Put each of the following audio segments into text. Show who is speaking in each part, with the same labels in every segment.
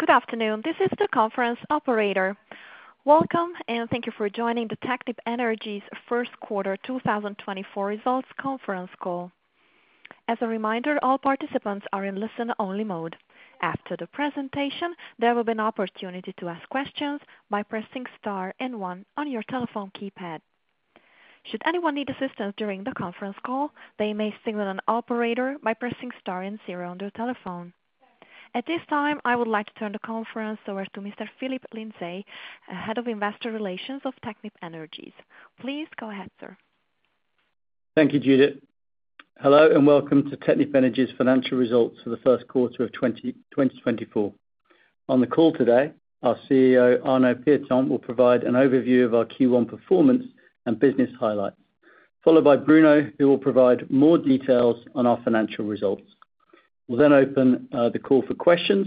Speaker 1: Good afternoon. This is the conference operator. Welcome, and thank you for joining the Technip Energies First Quarter 2024 Results Conference Call. As a reminder, all participants are in listen-only mode. After the presentation, there will be an opportunity to ask questions by pressing star and one on your telephone keypad. Should anyone need assistance during the conference call, they may signal an operator by pressing star and zero on their telephone. At this time, I would like to turn the conference over to Mr. Phillip Lindsay, Head of Investor Relations of Technip Energies. Please go ahead, sir.
Speaker 2: Thank you, Judith. Hello and welcome to Technip Energies financial results for the first quarter of 2024. On the call today, our CEO, Arnaud Pieton, will provide an overview of our Q1 performance and business highlights, followed by Bruno, who will provide more details on our financial results. We'll then open the call for questions.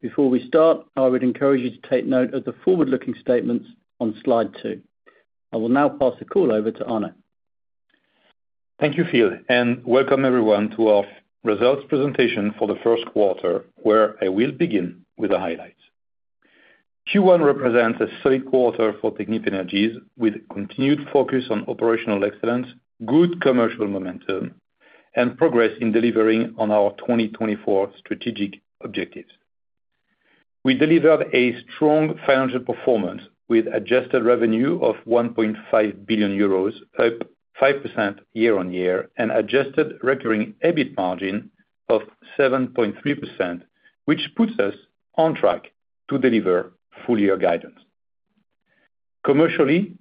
Speaker 2: Before we start, I would encourage you to take note of the forward-looking statements on slide 2. I will now pass the call over to Arnaud.
Speaker 3: Thank you, Phil, and welcome everyone to our results presentation for the first quarter, where I will begin with the highlights. Q1 represents a solid quarter for Technip Energies with continued focus on operational excellence, good commercial momentum, and progress in delivering on our 2024 strategic objectives. We delivered a strong financial performance with Adjusted Revenue of 1.5 billion euros, up 5% YoY, and Adjusted Recurring EBIT margin of 7.3%, which puts us on track to deliver full-year guidance. Commercially,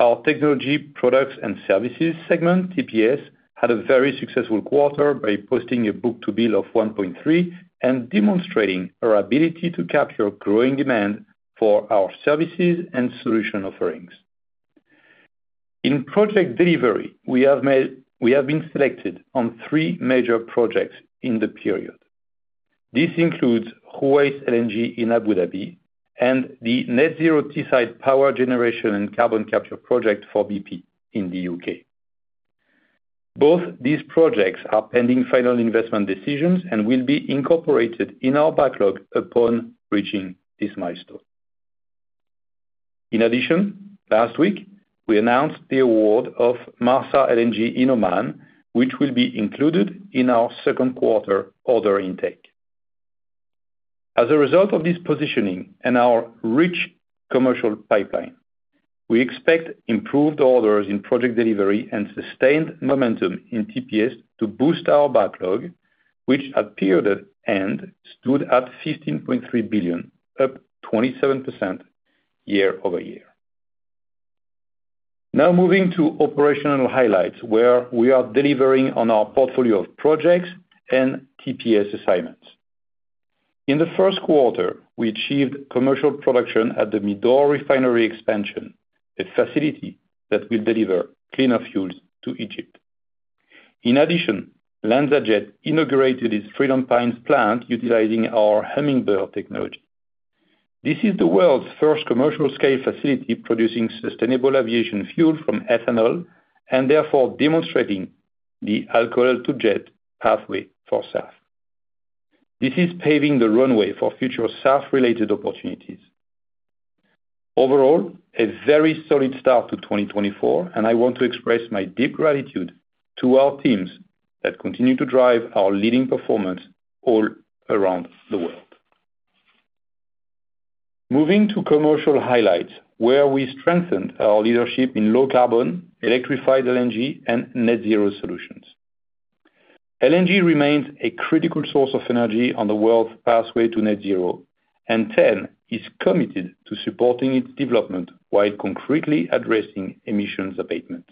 Speaker 3: our technology products and services segment, TPS, had a very successful quarter by posting a book-to-bill of 1.3 and demonstrating our ability to capture growing demand for our services and solution offerings. In project delivery, we have been selected on three major projects in the period. This includes Ruwais LNG in Abu Dhabi and the Net Zero Teesside Power Generation and Carbon Capture Project for BP in the UK. Both these projects are pending final investment decisions and will be incorporated in our backlog upon reaching this milestone. In addition, last week, we announced the award of Marsa LNG in Oman, which will be included in our second quarter order intake. As a result of this positioning and our rich commercial pipeline, we expect improved orders in Project Delivery and sustained momentum in TPS to boost our backlog, which at the end of the period stood at 15.3 billion, up 27% YoY. Now moving to operational highlights, where we are delivering on our portfolio of projects and TPS assignments. In the first quarter, we achieved commercial production at the MIDOR refinery expansion, a facility that will deliver cleaner fuels to Egypt. In addition, LanzaJet inaugurated its Freedom Pines plant utilizing our Hummingbird technology. This is the world's first commercial-scale facility producing sustainable aviation fuel from ethanol and therefore demonstrating the alcohol-to-jet pathway for SAF. This is paving the runway for future SAF-related opportunities. Overall, a very solid start to 2024, and I want to express my deep gratitude to our teams that continue to drive our leading performance all around the world. Moving to commercial highlights, where we strengthened our leadership in low-carbon, electrified LNG, and net-zero solutions. LNG remains a critical source of energy on the world's pathway to net-zero, and T.EN is committed to supporting its development while concretely addressing emissions abatement.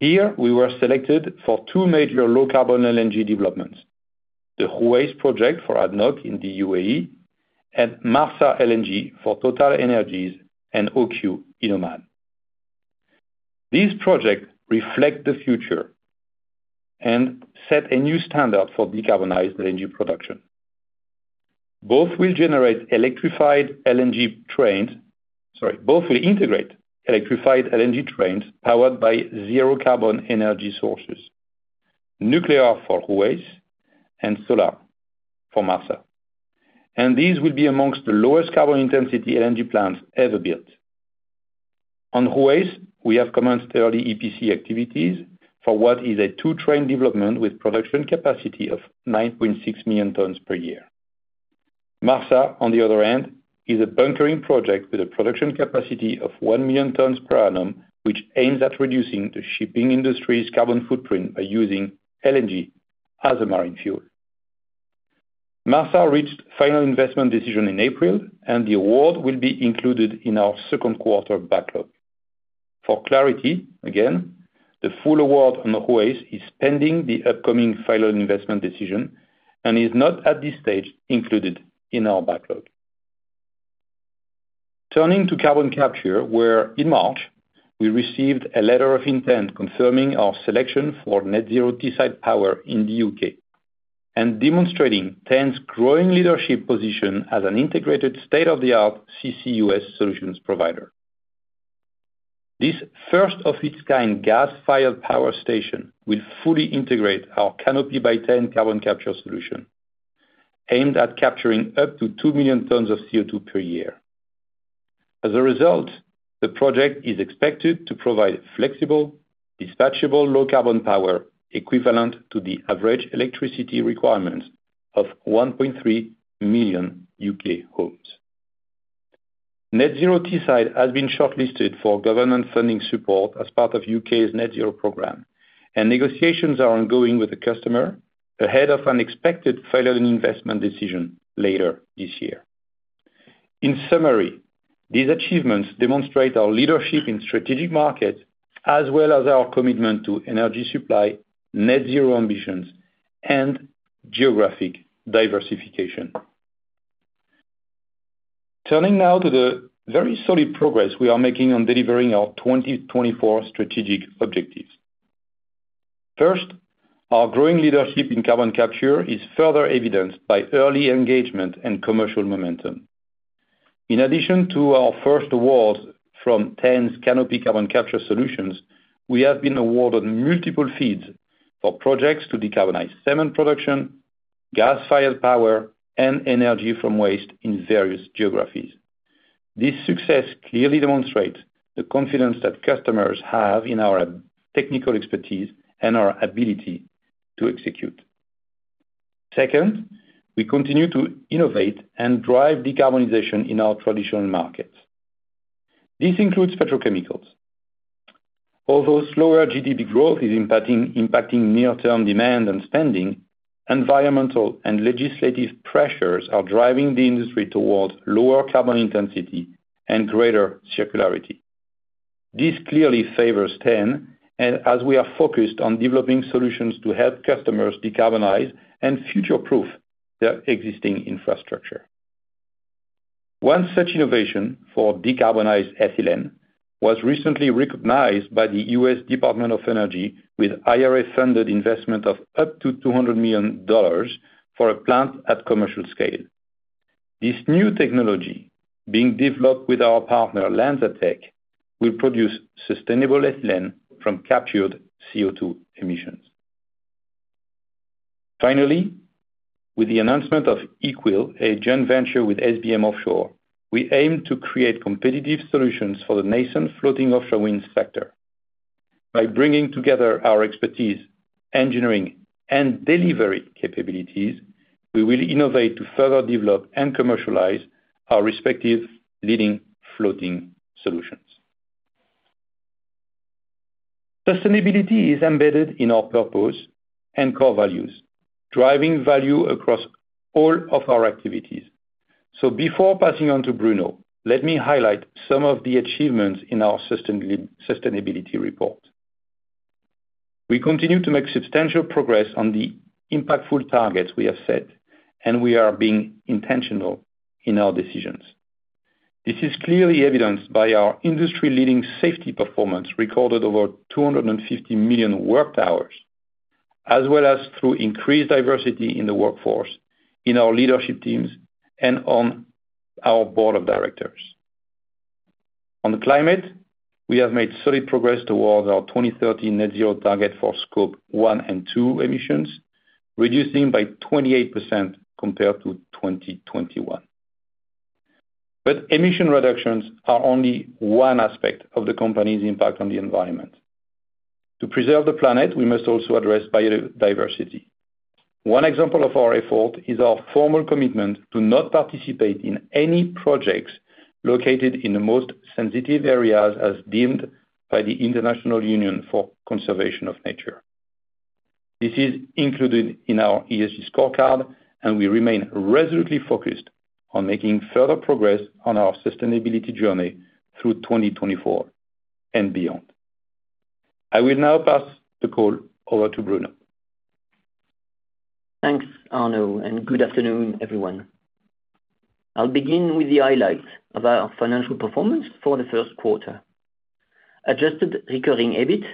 Speaker 3: Here, we were selected for two major low-carbon LNG developments: the Ruwais project for ADNOC in the UAE and Marsa LNG for TotalEnergies and OQ in Oman. These projects reflect the future and set a new standard for decarbonized LNG production. Both will integrate electrified LNG trains powered by zero-carbon energy sources: nuclear for Ruwais and solar for Marsa. These will be among the lowest-carbon intensity LNG plants ever built. On Ruwais, we have commenced early EPC activities for what is a 2-train development with production capacity of 9.6 million tons per year. Marsa, on the other hand, is a bunkering project with a production capacity of 1 million tons per annum, which aims at reducing the shipping industry's carbon footprint by using LNG as a marine fuel. Marsa reached final investment decision in April, and the award will be included in our second quarter backlog. For clarity, again, the full award on Ruwais is pending the upcoming final investment decision and is not at this stage included in our backlog. Turning to carbon capture, where in March, we received a letter of intent confirming our selection for Net Zero Teesside Power in the U.K. and demonstrating T.EN's growing leadership position as an integrated state-of-the-art CCUS solutions provider. This first-of-its-kind gas-fired power station will fully integrate our Canopy by T.EN carbon capture solution, aimed at capturing up to 2 million tons of CO2 per year. As a result, the project is expected to provide flexible, dispatchable low-carbon power equivalent to the average electricity requirements of 1.3 million U.K. homes. Net Zero Teesside has been shortlisted for government funding support as part of U.K.'s Net Zero Program, and negotiations are ongoing with the customer ahead of an expected final investment decision later this year. In summary, these achievements demonstrate our leadership in strategic markets as well as our commitment to energy supply, net-zero ambitions, and geographic diversification. Turning now to the very solid progress we are making on delivering our 2024 strategic objectives. First, our growing leadership in carbon capture is further evidenced by early engagement and commercial momentum. In addition to our first awards from T.EN's Canopy carbon capture solutions, we have been awarded multiple FEEDs for projects to decarbonize cement production, gas-fired power, and energy from waste in various geographies. This success clearly demonstrates the confidence that customers have in our technical expertise and our ability to execute. Second, we continue to innovate and drive decarbonization in our traditional markets. This includes petrochemicals. Although slower GDP growth is impacting near-term demand and spending, environmental and legislative pressures are driving the industry towards lower carbon intensity and greater circularity. This clearly favors T.EN as we are focused on developing solutions to help customers decarbonize and future-proof their existing infrastructure. One such innovation for decarbonized ethylene was recently recognized by the U.S. Department of Energy with IRA-funded investment of up to $200 million for a plant at commercial scale. This new technology, being developed with our partner LanzaTech, will produce sustainable ethylene from captured CO2 emissions. Finally, with the announcement of Ekwil, a joint venture with SBM Offshore, we aim to create competitive solutions for the nascent floating offshore wind sector. By bringing together our expertise, engineering, and delivery capabilities, we will innovate to further develop and commercialize our respective leading floating solutions. Sustainability is embedded in our purpose and core values, driving value across all of our activities. So before passing on to Bruno, let me highlight some of the achievements in our sustainability report. We continue to make substantial progress on the impactful targets we have set, and we are being intentional in our decisions. This is clearly evidenced by our industry-leading safety performance recorded over 250 million work hours, as well as through increased diversity in the workforce, in our leadership teams, and on our board of directors. On climate, we have made solid progress towards our 2030 net-zero target for Scope 1 and 2 emissions, reducing by 28% compared to 2021. But emission reductions are only one aspect of the company's impact on the environment. To preserve the planet, we must also address biodiversity. One example of our effort is our formal commitment to not participate in any projects located in the most sensitive areas as deemed by the International Union for Conservation of Nature. This is included in our ESG scorecard, and we remain resolutely focused on making further progress on our sustainability journey through 2024 and beyond. I will now pass the call over to Bruno.
Speaker 4: Thanks, Arnaud, and good afternoon, everyone. I'll begin with the highlights of our financial performance for the first quarter. Adjusted Recurring EBIT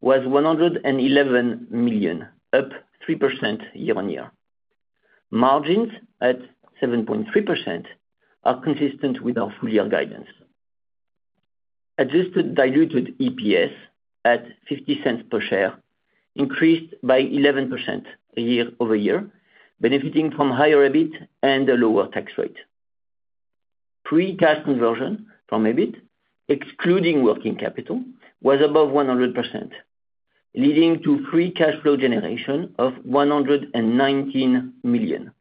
Speaker 4: was 111 million, up 3% YoY. Margins at 7.3% are consistent with our full-year guidance. Adjusted Diluted EPS at 0.50 per share increased by 11% YoY, benefiting from higher EBIT and a lower tax rate. Free cash conversion from EBIT, excluding working capital, was above 100%, leading to free cash flow generation of 119 million.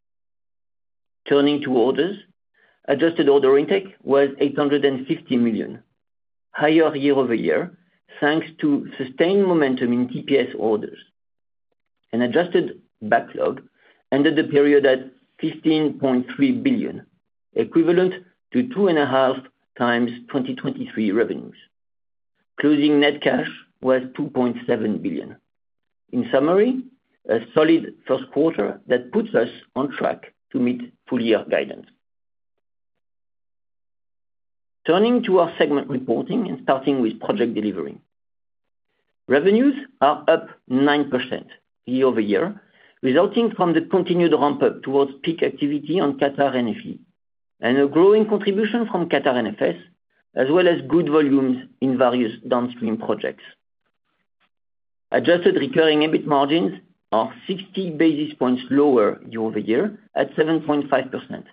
Speaker 4: Turning to orders, adjusted order intake was 850 million, higher YoY thanks to sustained momentum in TPS orders. An adjusted backlog ended the period at 15.3 billion, equivalent to 2.5x 2023 revenues. Closing net cash was 2.7 billion. In summary, a solid first quarter that puts us on track to meet full-year guidance. Turning to our segment reporting and starting with Project Delivery. Revenues are up 9% YoY, resulting from the continued ramp-up towards peak activity on Qatar NFE and a growing contribution from Qatar NFS, as well as good volumes in various downstream projects. Adjusted Recurring EBIT margins are 60 basis points lower YoY at 7.5%.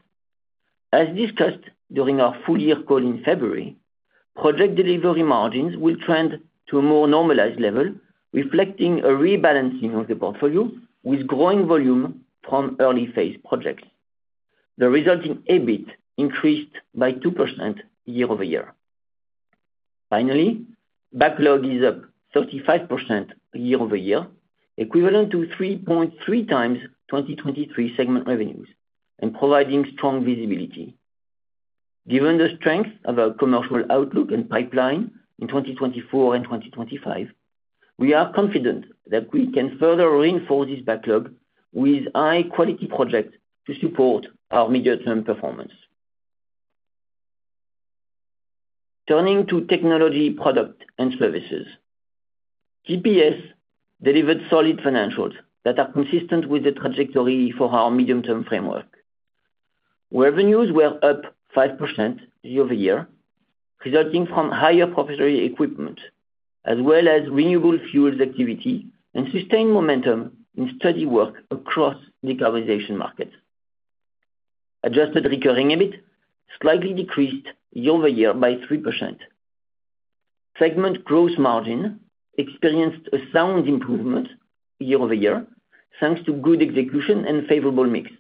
Speaker 4: As discussed during our full-year call in February, project delivery margins will trend to a more normalized level, reflecting a rebalancing of the portfolio with growing volume from early-phase projects. The resulting EBIT increased by 2% YoY. Finally, backlog is up 35% YoY, equivalent to 3.3x 2023 segment revenues, and providing strong visibility. Given the strength of our commercial outlook and pipeline in 2024 and 2025, we are confident that we can further reinforce this backlog with high-quality projects to support our medium-term performance. Turning to technology, product, and services. TPS delivered solid financials that are consistent with the trajectory for our medium-term framework. Revenues were up 5% YoY, resulting from higher proprietary equipment, as well as renewable fuels activity and sustained momentum in steady work across decarbonization markets. Adjusted Recurring EBIT slightly decreased YoY by 3%. Segment gross margin experienced a sound improvement YoY thanks to good execution and favorable mix.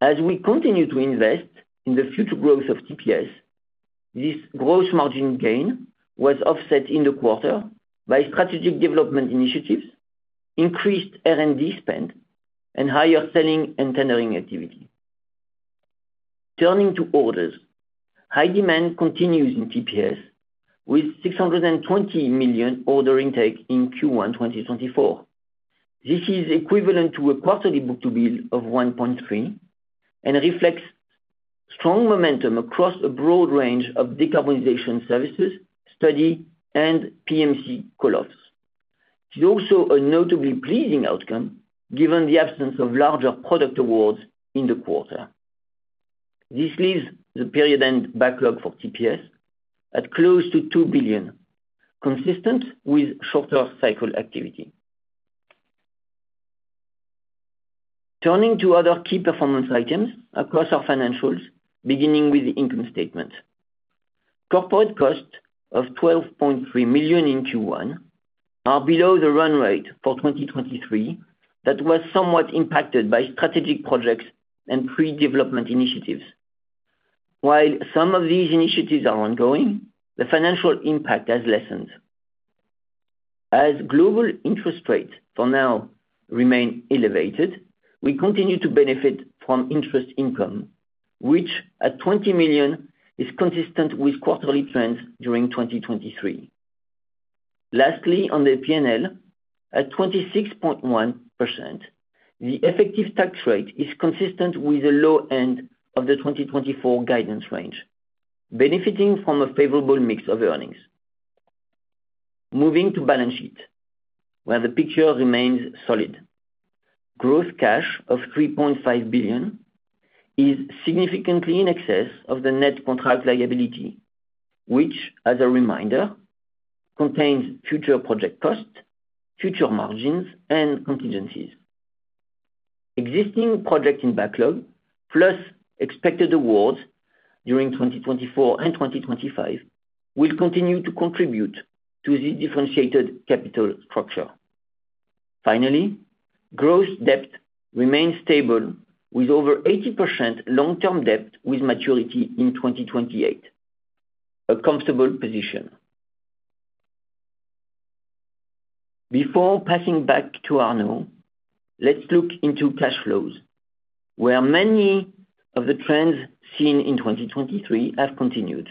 Speaker 4: As we continue to invest in the future growth of TPS, this gross margin gain was offset in the quarter by strategic development initiatives, increased R&D spend, and higher selling and tendering activity. Turning to orders. High demand continues in TPS, with 620 million order intake in Q1 2024. This is equivalent to a quarterly book-to-bill of 1.3 and reflects strong momentum across a broad range of decarbonization services, study, and PMC call-offs. It's also a notably pleasing outcome given the absence of larger product awards in the quarter. This leaves the period-end backlog for TPS at close to 2 billion, consistent with shorter cycle activity. Turning to other key performance items across our financials, beginning with the income statement. Corporate costs of 12.3 million in Q1 are below the run rate for 2023 that was somewhat impacted by strategic projects and pre-development initiatives. While some of these initiatives are ongoing, the financial impact has lessened. As global interest rates for now remain elevated, we continue to benefit from interest income, which at 20 million is consistent with quarterly trends during 2023. Lastly, on the P&L, at 26.1%, the effective tax rate is consistent with the low end of the 2024 guidance range, benefiting from a favorable mix of earnings. Moving to balance sheet, where the picture remains solid. Gross cash of 3.5 billion is significantly in excess of the net contract liability, which, as a reminder, contains future project costs, future margins, and contingencies. Existing project in backlog plus expected awards during 2024 and 2025 will continue to contribute to this differentiated capital structure. Finally, gross debt remains stable, with over 80% long-term debt with maturity in 2028, a comfortable position. Before passing back to Arnaud, let's look into cash flows, where many of the trends seen in 2023 have continued.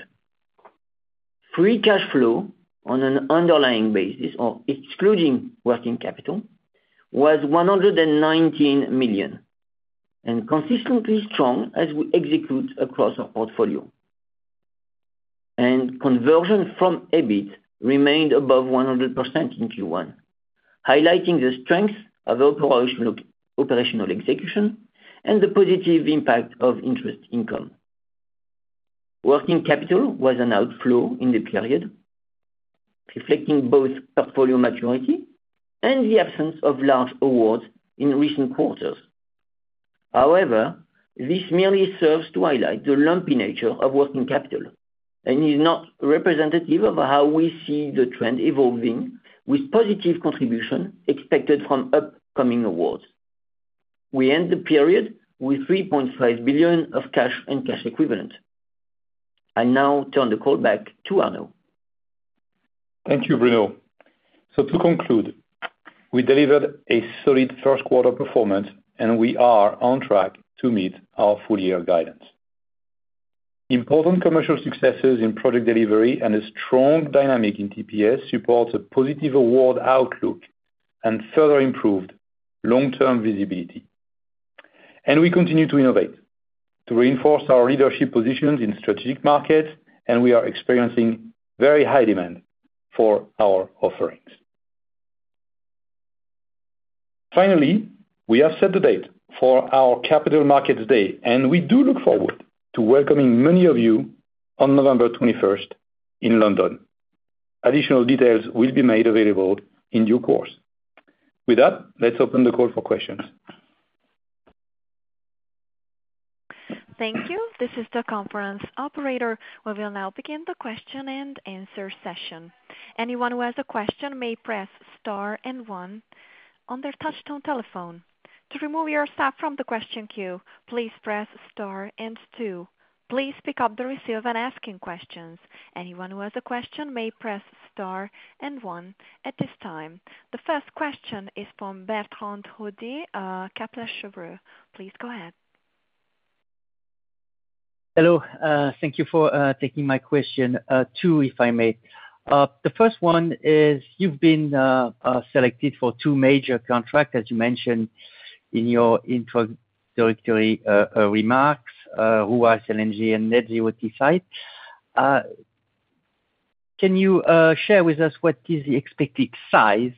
Speaker 4: Free cash flow on an underlying basis, or excluding working capital, was 119 million and consistently strong as we execute across our portfolio. And conversion from EBIT remained above 100% in Q1, highlighting the strength of operational execution and the positive impact of interest income. Working capital was an outflow in the period, reflecting both portfolio maturity and the absence of large awards in recent quarters. However, this merely serves to highlight the lumpy nature of working capital and is not representative of how we see the trend evolving with positive contribution expected from upcoming awards. We end the period with 3.5 billion of cash and cash equivalent. I'll now turn the call back to Arnaud.
Speaker 3: Thank you, Bruno. So to conclude, we delivered a solid first-quarter performance, and we are on track to meet our full-year guidance. Important commercial successes in project delivery and a strong dynamic in TPS support a positive award outlook and further improved long-term visibility. And we continue to innovate to reinforce our leadership positions in strategic markets, and we are experiencing very high demand for our offerings. Finally, we have set the date for our Capital Markets Day, and we do look forward to welcoming many of you on November 21st in London. Additional details will be made available in due course. With that, let's open the call for questions.
Speaker 1: Thank you. This is the conference operator. We will now begin the question and answer session. Anyone who has a question may press star and one on their touch-tone telephone. To remove your staff from the question queue, please press star and two. Please pick up the receiver and ask any questions. Anyone who has a question may press star and one at this time. The first question is from Bertrand Hodee, Kepler Cheuvreux. Please go ahead.
Speaker 5: Hello. Thank you for taking my question two, if I may. The first one is you've been selected for two major contracts, as you mentioned in your introductory remarks, Ruwais LNG and Net Zero Teesside. Can you share with us what is the expected size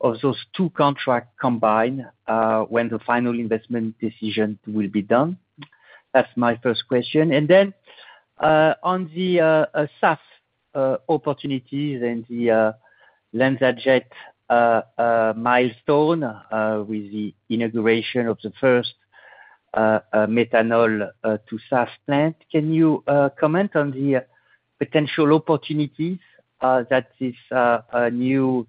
Speaker 5: of those two contracts combined when the final investment decision will be done? That's my first question. And then on the SAF opportunities and the LanzaJet milestone with the inauguration of the first methanol-to-SAF plant, can you comment on the potential opportunities that this new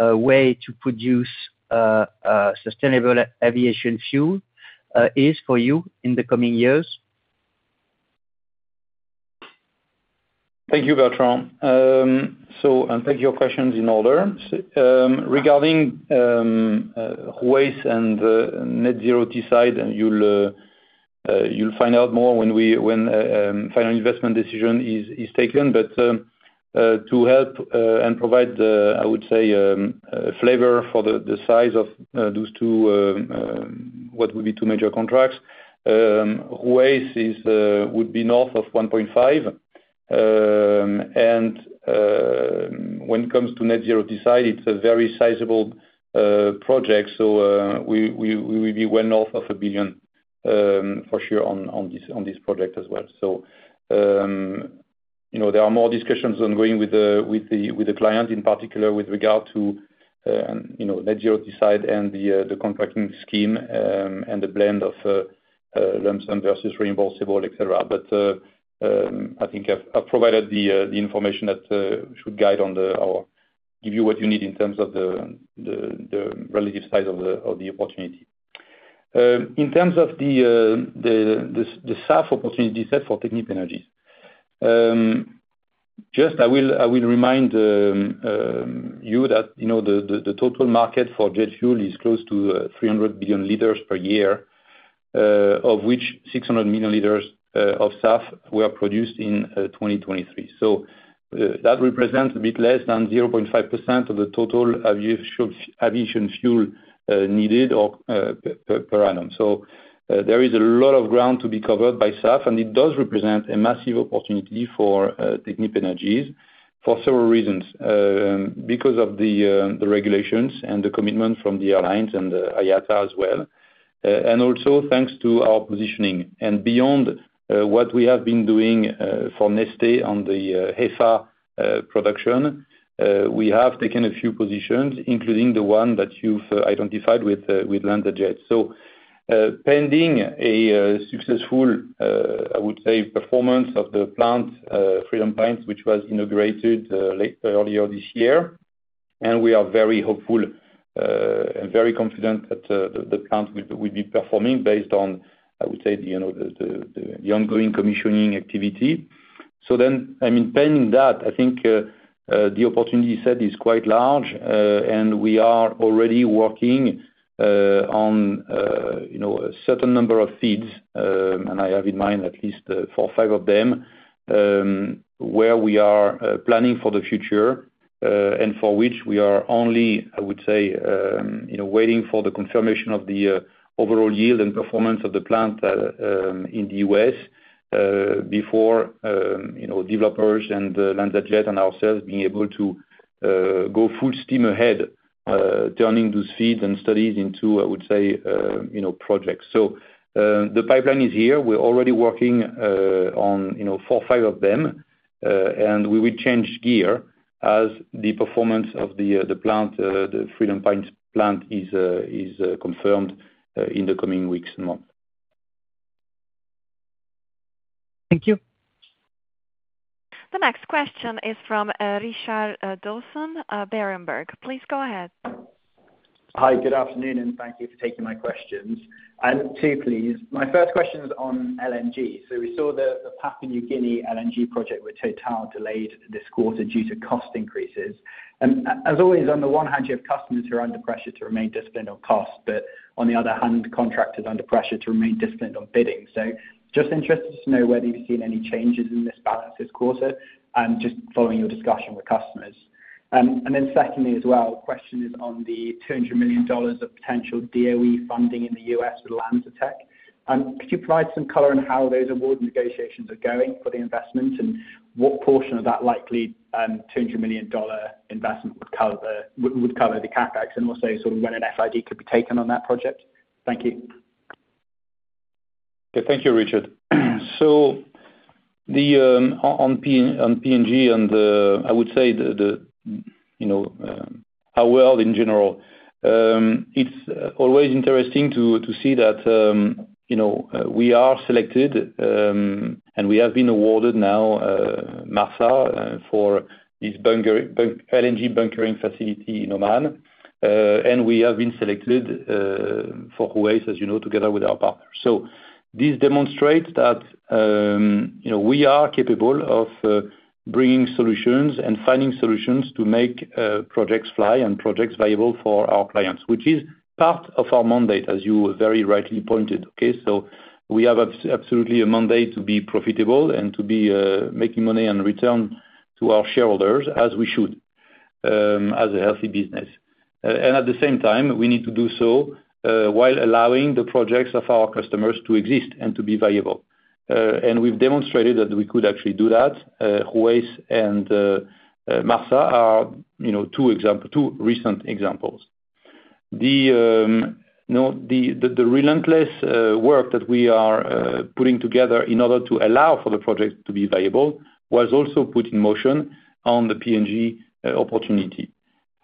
Speaker 5: way to produce sustainable aviation fuel is for you in the coming years?
Speaker 3: Thank you, Bertrand. So I'll take your questions in order. Regarding Ruwais and Net Zero Teesside, you'll find out more when the final investment decision is taken. But to help and provide, I would say, flavor for the size of those two, what would be two major contracts, Ruwais would be north of 1.5 billion. And when it comes to Net Zero Teesside, it's a very sizable project, so we will be well north of 1 billion for sure on this project as well. So there are more discussions ongoing with the client, in particular with regard to Net Zero Teesside and the contracting scheme and the blend of lump sum versus reimbursable, etc. But I think I've provided the information that should guide on the or give you what you need in terms of the relative size of the opportunity. In terms of the SAF opportunity set for Technip Energies, just, I will remind you that the total market for jet fuel is close to 300 billion liters per year, of which 600 million liters of SAF were produced in 2023. That represents a bit less than 0.5% of the total aviation fuel needed per annum. There is a lot of ground to be covered by SAF, and it does represent a massive opportunity for Technip Energies for several reasons, because of the regulations and the commitment from the airlines and IATA as well, and also thanks to our positioning. Beyond what we have been doing for Neste on the HEFA production, we have taken a few positions, including the one that you've identified with LanzaJet. So pending a successful, I would say, performance of the plant, Freedom Pines, which was inaugurated earlier this year, and we are very hopeful and very confident that the plant will be performing based on, I would say, the ongoing commissioning activity. So then, I mean, pending that, I think the opportunity set is quite large, and we are already working on a certain number of FEEDs, and I have in mind at least four or five of them, where we are planning for the future and for which we are only, I would say, waiting for the confirmation of the overall yield and performance of the plant in the U.S. before developers and LanzaJet and ourselves being able to go full steam ahead, turning those FEEDs and studies into, I would say, projects. So the pipeline is here. We're already working on four or five of them, and we will change gear as the performance of the plant, the Freedom Pines plant, is confirmed in the coming weeks and months.
Speaker 5: Thank you.
Speaker 1: The next question is from Richard Dawson, Berenberg. Please go ahead.
Speaker 6: Hi. Good afternoon, and thank you for taking my questions. And two, please. My first question is on LNG. So we saw the Papua New Guinea LNG project with Total delayed this quarter due to cost increases. And as always, on the one hand, you have customers who are under pressure to remain disciplined on costs, but on the other hand, contractors under pressure to remain disciplined on bidding. So just interested to know whether you've seen any changes in this balance this quarter, just following your discussion with customers. And then secondly as well, the question is on the $200 million of potential DOE funding in the U.S. for LanzaTech. Could you provide some color on how those award negotiations are going for the investment, and what portion of that likely $200 million investment would cover the CapEx, and also sort of when an FID could be taken on that project? Thank you.
Speaker 3: Yeah. Thank you, Richard. So on PNG and, I would say, our world in general, it's always interesting to see that we are selected, and we have been awarded now a FEED for this LNG bunkering facility in Oman, and we have been selected for Ruwais, as you know, together with our partners. So this demonstrates that we are capable of bringing solutions and finding solutions to make projects fly and projects viable for our clients, which is part of our mandate, as you very rightly pointed out, okay? So we have absolutely a mandate to be profitable and to be making money and return to our shareholders as we should as a healthy business. And at the same time, we need to do so while allowing the projects of our customers to exist and to be viable. And we've demonstrated that we could actually do that. Ruwais and Marsa are two recent examples. The relentless work that we are putting together in order to allow for the project to be viable was also put in motion on the PNG opportunity.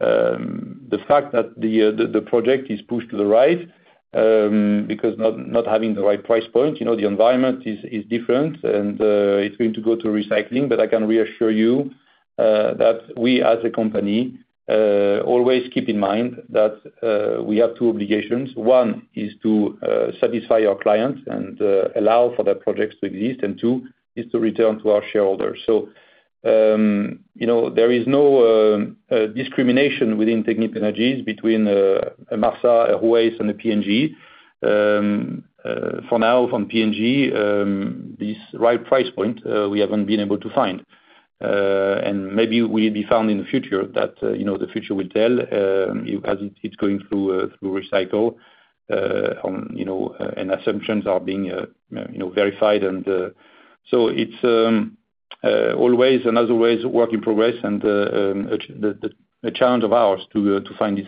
Speaker 3: The fact that the project is pushed to the right because not having the right price point, the environment is different, and it's going to go to recycling, but I can reassure you that we, as a company, always keep in mind that we have two obligations. One is to satisfy our clients and allow for their projects to exist, and two is to return to our shareholders. So there is no discrimination within Technip Energies between Marsa, Ruwais, and the PNG. For now, on PNG, this right price point, we haven't been able to find. And maybe will it be found in the future? The future will tell as it's going through recycle, and assumptions are being verified. So it's always and as always work in progress and a challenge of ours to find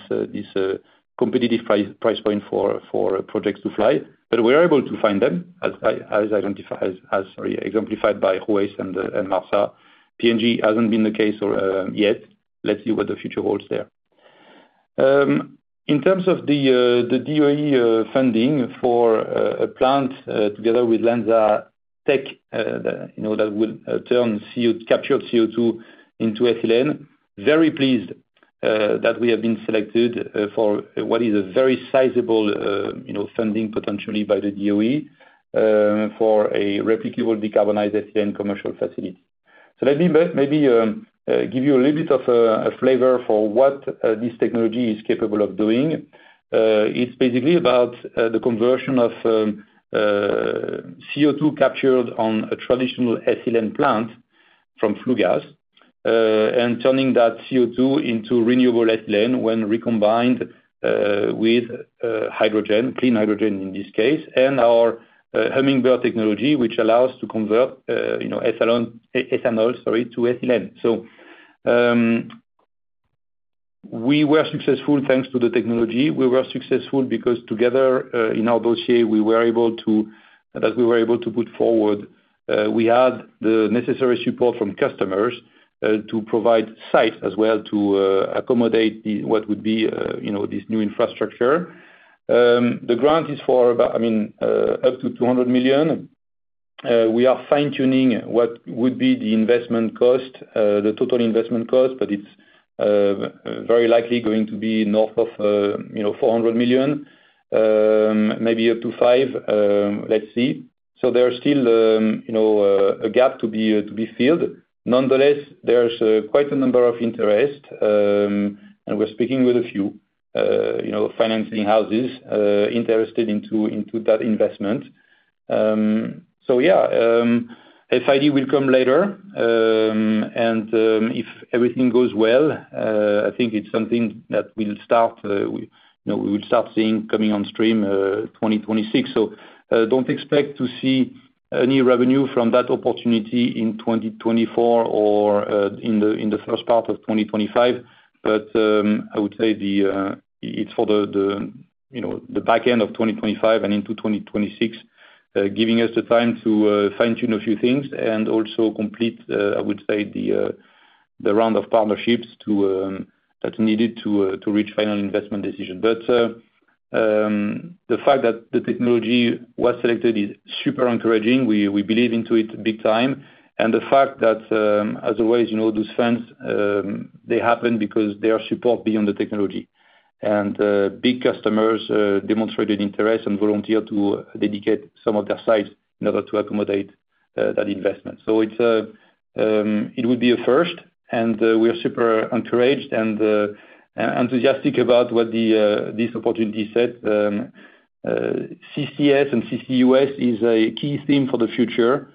Speaker 3: this competitive price point for projects to fly. But we are able to find them, as I identified, as exemplified by Ruwais and Marsa. PNG hasn't been the case yet. Let's see what the future holds there. In terms of the DOE funding for a plant together with LanzaTech that will capture CO2 into ethylene, very pleased that we have been selected for what is a very sizable funding potentially by the DOE for a replicable decarbonized ethylene commercial facility. So let me maybe give you a little bit of a flavor for what this technology is capable of doing. It's basically about the conversion of CO2 captured on a traditional ethylene plant from flue gas and turning that CO2 into renewable ethylene when recombined with clean hydrogen in this case, and our Hummingbird technology, which allows us to convert ethanol, sorry, to ethylene. So we were successful thanks to the technology. We were successful because together in our dossier, we were able to put forward. We had the necessary support from customers to provide sites as well to accommodate what would be this new infrastructure. The grant is for, I mean, up to 200 million. We are fine-tuning what would be the total investment cost, but it's very likely going to be north of 400 million, maybe up to 500 million. Let's see. So there's still a gap to be filled. Nonetheless, there's quite a number of interest, and we're speaking with a few financing houses interested into that investment. So yeah, FID will come later. And if everything goes well, I think it's something that we'll start seeing coming on stream 2026. So don't expect to see any revenue from that opportunity in 2024 or in the first part of 2025. But I would say it's for the back end of 2025 and into 2026, giving us the time to fine-tune a few things and also complete, I would say, the round of partnerships that's needed to reach final investment decision. But the fact that the technology was selected is super encouraging. We believe into it big time. And the fact that, as always, those funds, they happen because their support beyond the technology. Big customers demonstrated interest and volunteered to dedicate some of their sites in order to accommodate that investment. It would be a first, and we're super encouraged and enthusiastic about what this opportunity set. CCS and CCUS is a key theme for the future.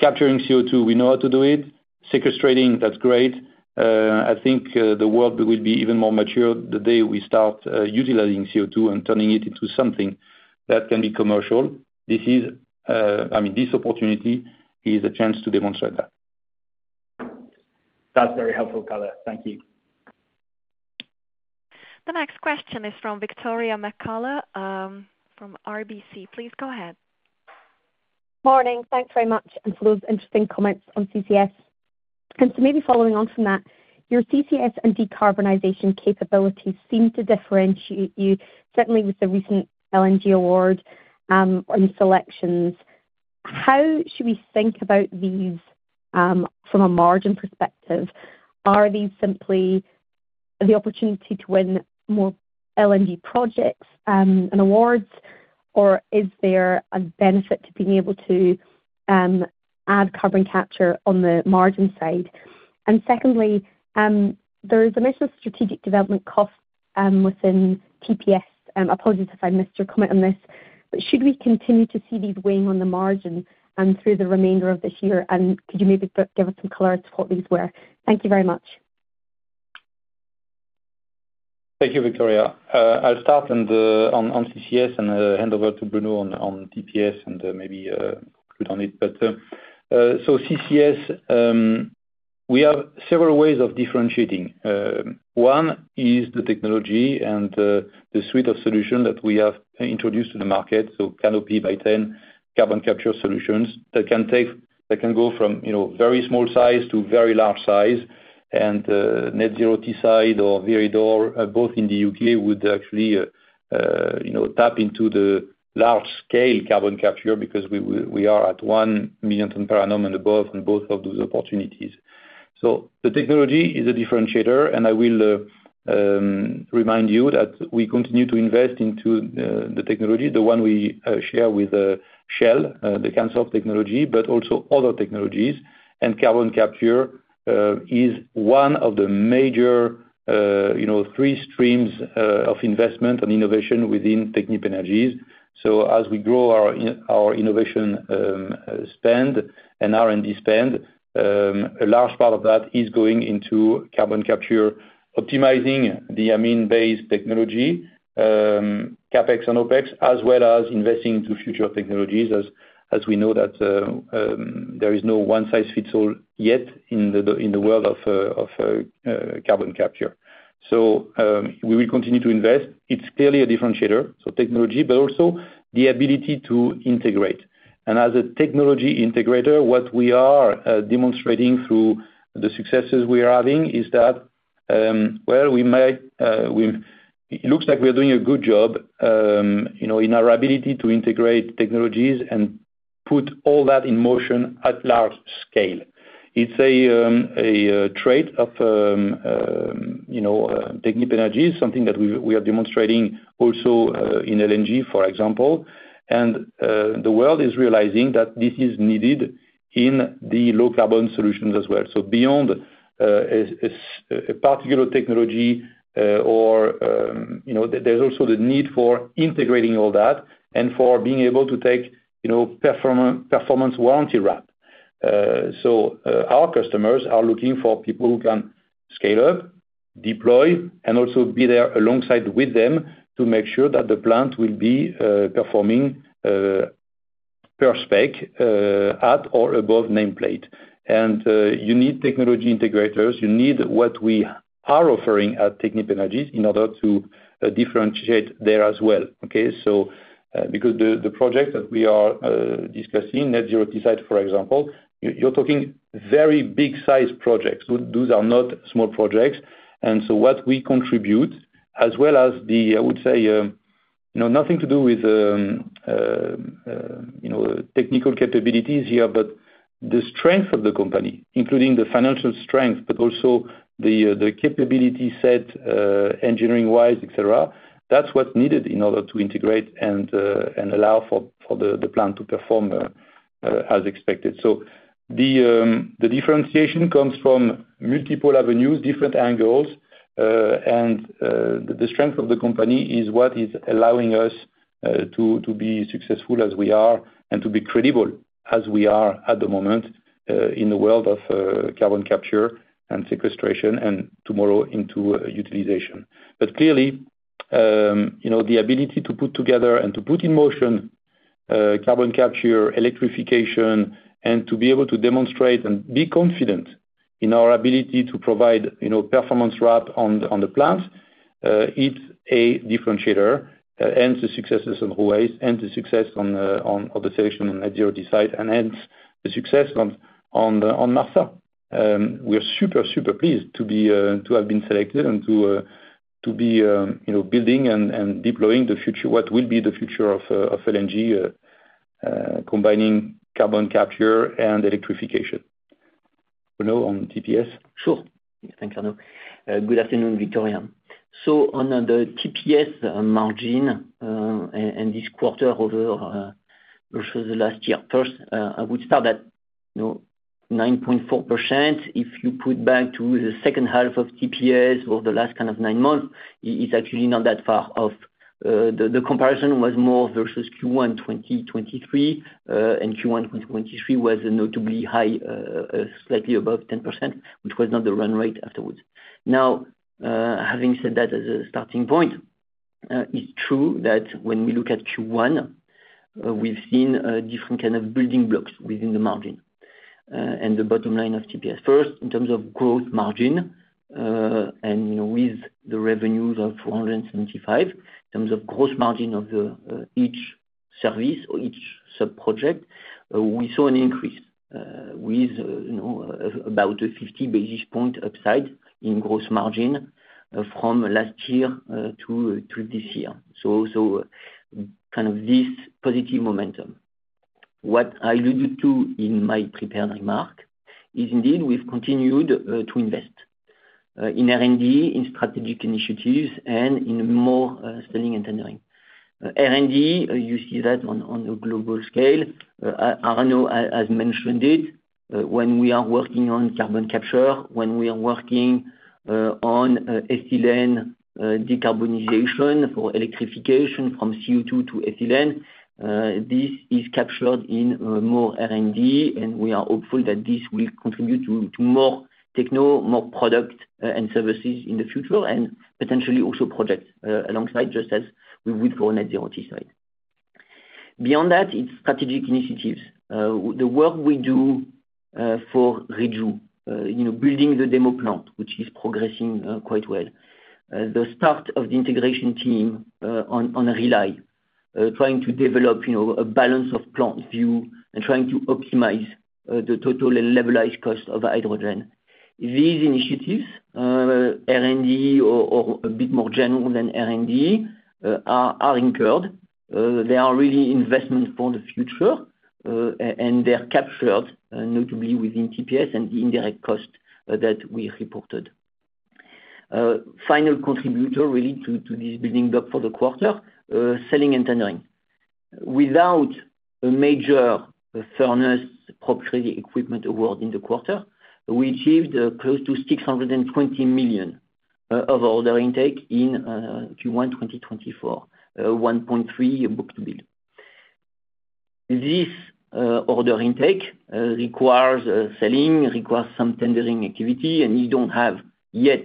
Speaker 3: Capturing CO2, we know how to do it. Sequestering, that's great. I think the world will be even more mature the day we start utilizing CO2 and turning it into something that can be commercial. I mean, this opportunity is a chance to demonstrate that.
Speaker 6: That's very helpful color. Thank you.
Speaker 1: The next question is from Victoria McCulloch from RBC. Please go ahead.
Speaker 7: Morning. Thanks very much for those interesting comments on CCS. And so maybe following on from that, your CCS and decarbonization capabilities seem to differentiate you, certainly with the recent LNG award and selections. How should we think about these from a margin perspective? Are these simply the opportunity to win more LNG projects and awards, or is there a benefit to being able to add carbon capture on the margin side? And secondly, there is emissions strategic development cost within TPS. I apologize if I missed your comment on this, but should we continue to see these weighing on the margin through the remainder of this year? And could you maybe give us some color as to what these were? Thank you very much.
Speaker 3: Thank you, Victoria. I'll start on CCS and hand over to Bruno on TPS and maybe conclude on it. So CCS, we have several ways of differentiating. One is the technology and the suite of solutions that we have introduced to the market, so Canopy by T.EN carbon capture solutions that can go from very small size to very large size. Net Zero Teesside or Viridor, both in the UK, would actually tap into the large-scale carbon capture because we are at 1 million tons per annum and above on both of those opportunities. So the technology is a differentiator, and I will remind you that we continue to invest into the technology, the one we share with Shell, the Cansolv technology, but also other technologies. Carbon capture is one of the major three streams of investment and innovation within Technip Energies. So as we grow our innovation spend and R&D spend, a large part of that is going into carbon capture, optimizing the amine-based technology, CapEx and OPEX, as well as investing into future technologies as we know that there is no one-size-fits-all yet in the world of carbon capture. So we will continue to invest. It's clearly a differentiator, so technology, but also the ability to integrate. And as a technology integrator, what we are demonstrating through the successes we are having is that, well, it looks like we're doing a good job in our ability to integrate technologies and put all that in motion at large scale. It's a trait of Technip Energies, something that we are demonstrating also in LNG, for example. And the world is realizing that this is needed in the low-carbon solutions as well. So beyond a particular technology, there's also the need for integrating all that and for being able to take performance warranty wrap. So our customers are looking for people who can scale up, deploy, and also be there alongside with them to make sure that the plant will be performing per spec at or above nameplate. And you need technology integrators. You need what we are offering at Technip Energies in order to differentiate there as well, okay? So because the project that we are discussing, Net Zero Teesside, for example, you're talking very big-sized projects. Those are not small projects. And so what we contribute, as well as the, I would say, nothing to do with technical capabilities here, but the strength of the company, including the financial strength, but also the capability set engineering-wise, etc., that's what's needed in order to integrate and allow for the plant to perform as expected. So the differentiation comes from multiple avenues, different angles. And the strength of the company is what is allowing us to be successful as we are and to be credible as we are at the moment in the world of carbon capture and sequestration and tomorrow into utilization. But clearly, the ability to put together and to put in motion carbon capture, electrification, and to be able to demonstrate and be confident in our ability to provide performance wrap on the plant, it's a differentiator. The successes on Ruwais and the success of the selection on Net Zero Teesside and hence the success on Marsa. We're super, super pleased to be selected and to be building and deploying what will be the future of LNG, combining carbon capture and electrification. Bruno on TPS?
Speaker 4: Sure. Thanks, Arnaud. Good afternoon, Victoria. On the TPS margin and this quarter over versus last year, first, I would start at 9.4%. If you put back to the second half of TPS over the last kind of 9 months, it's actually not that far off. The comparison was more versus Q1 2023, and Q1 2023 was notably high, slightly above 10%, which was not the run rate afterwards. Now, having said that as a starting point, it's true that when we look at Q1, we've seen different kind of building blocks within the margin and the bottom line of TPS. First, in terms of gross margin and with the revenues of 275 million, in terms of gross margin of each service or each subproject, we saw an increase with about a 50 basis point upside in gross margin from last year to this year. So kind of this positive momentum. What I alluded to in my prepared remark is indeed we've continued to invest in R&D, in strategic initiatives, and in more selling and tendering. R&D, you see that on a global scale. Arnaud has mentioned it. When we are working on carbon capture, when we are working on ethylene decarbonization for electrification from CO2 to ethylene, this is captured in more R&D. And we are hopeful that this will contribute to more techno, more product and services in the future, and potentially also projects alongside just as we would for Net Zero Teesside. Beyond that, it's strategic initiatives. The work we do for Reju, building the demo plant, which is progressing quite well, the start of the integration team on Rely, trying to develop a balance of plant view and trying to optimize the total and levelized cost of hydrogen. These initiatives, R&D or a bit more general than R&D, are incurred. They are really investment for the future, and they're captured notably within TPS and the indirect cost that we reported. Final contributor, really, to this building block for the quarter, selling and tendering. Without a major furnace proprietary equipment award in the quarter, we achieved close to 620 million of order intake in Q1 2024, 1.3 book-to-bill. This order intake requires selling, requires some tendering activity, and you don't have yet,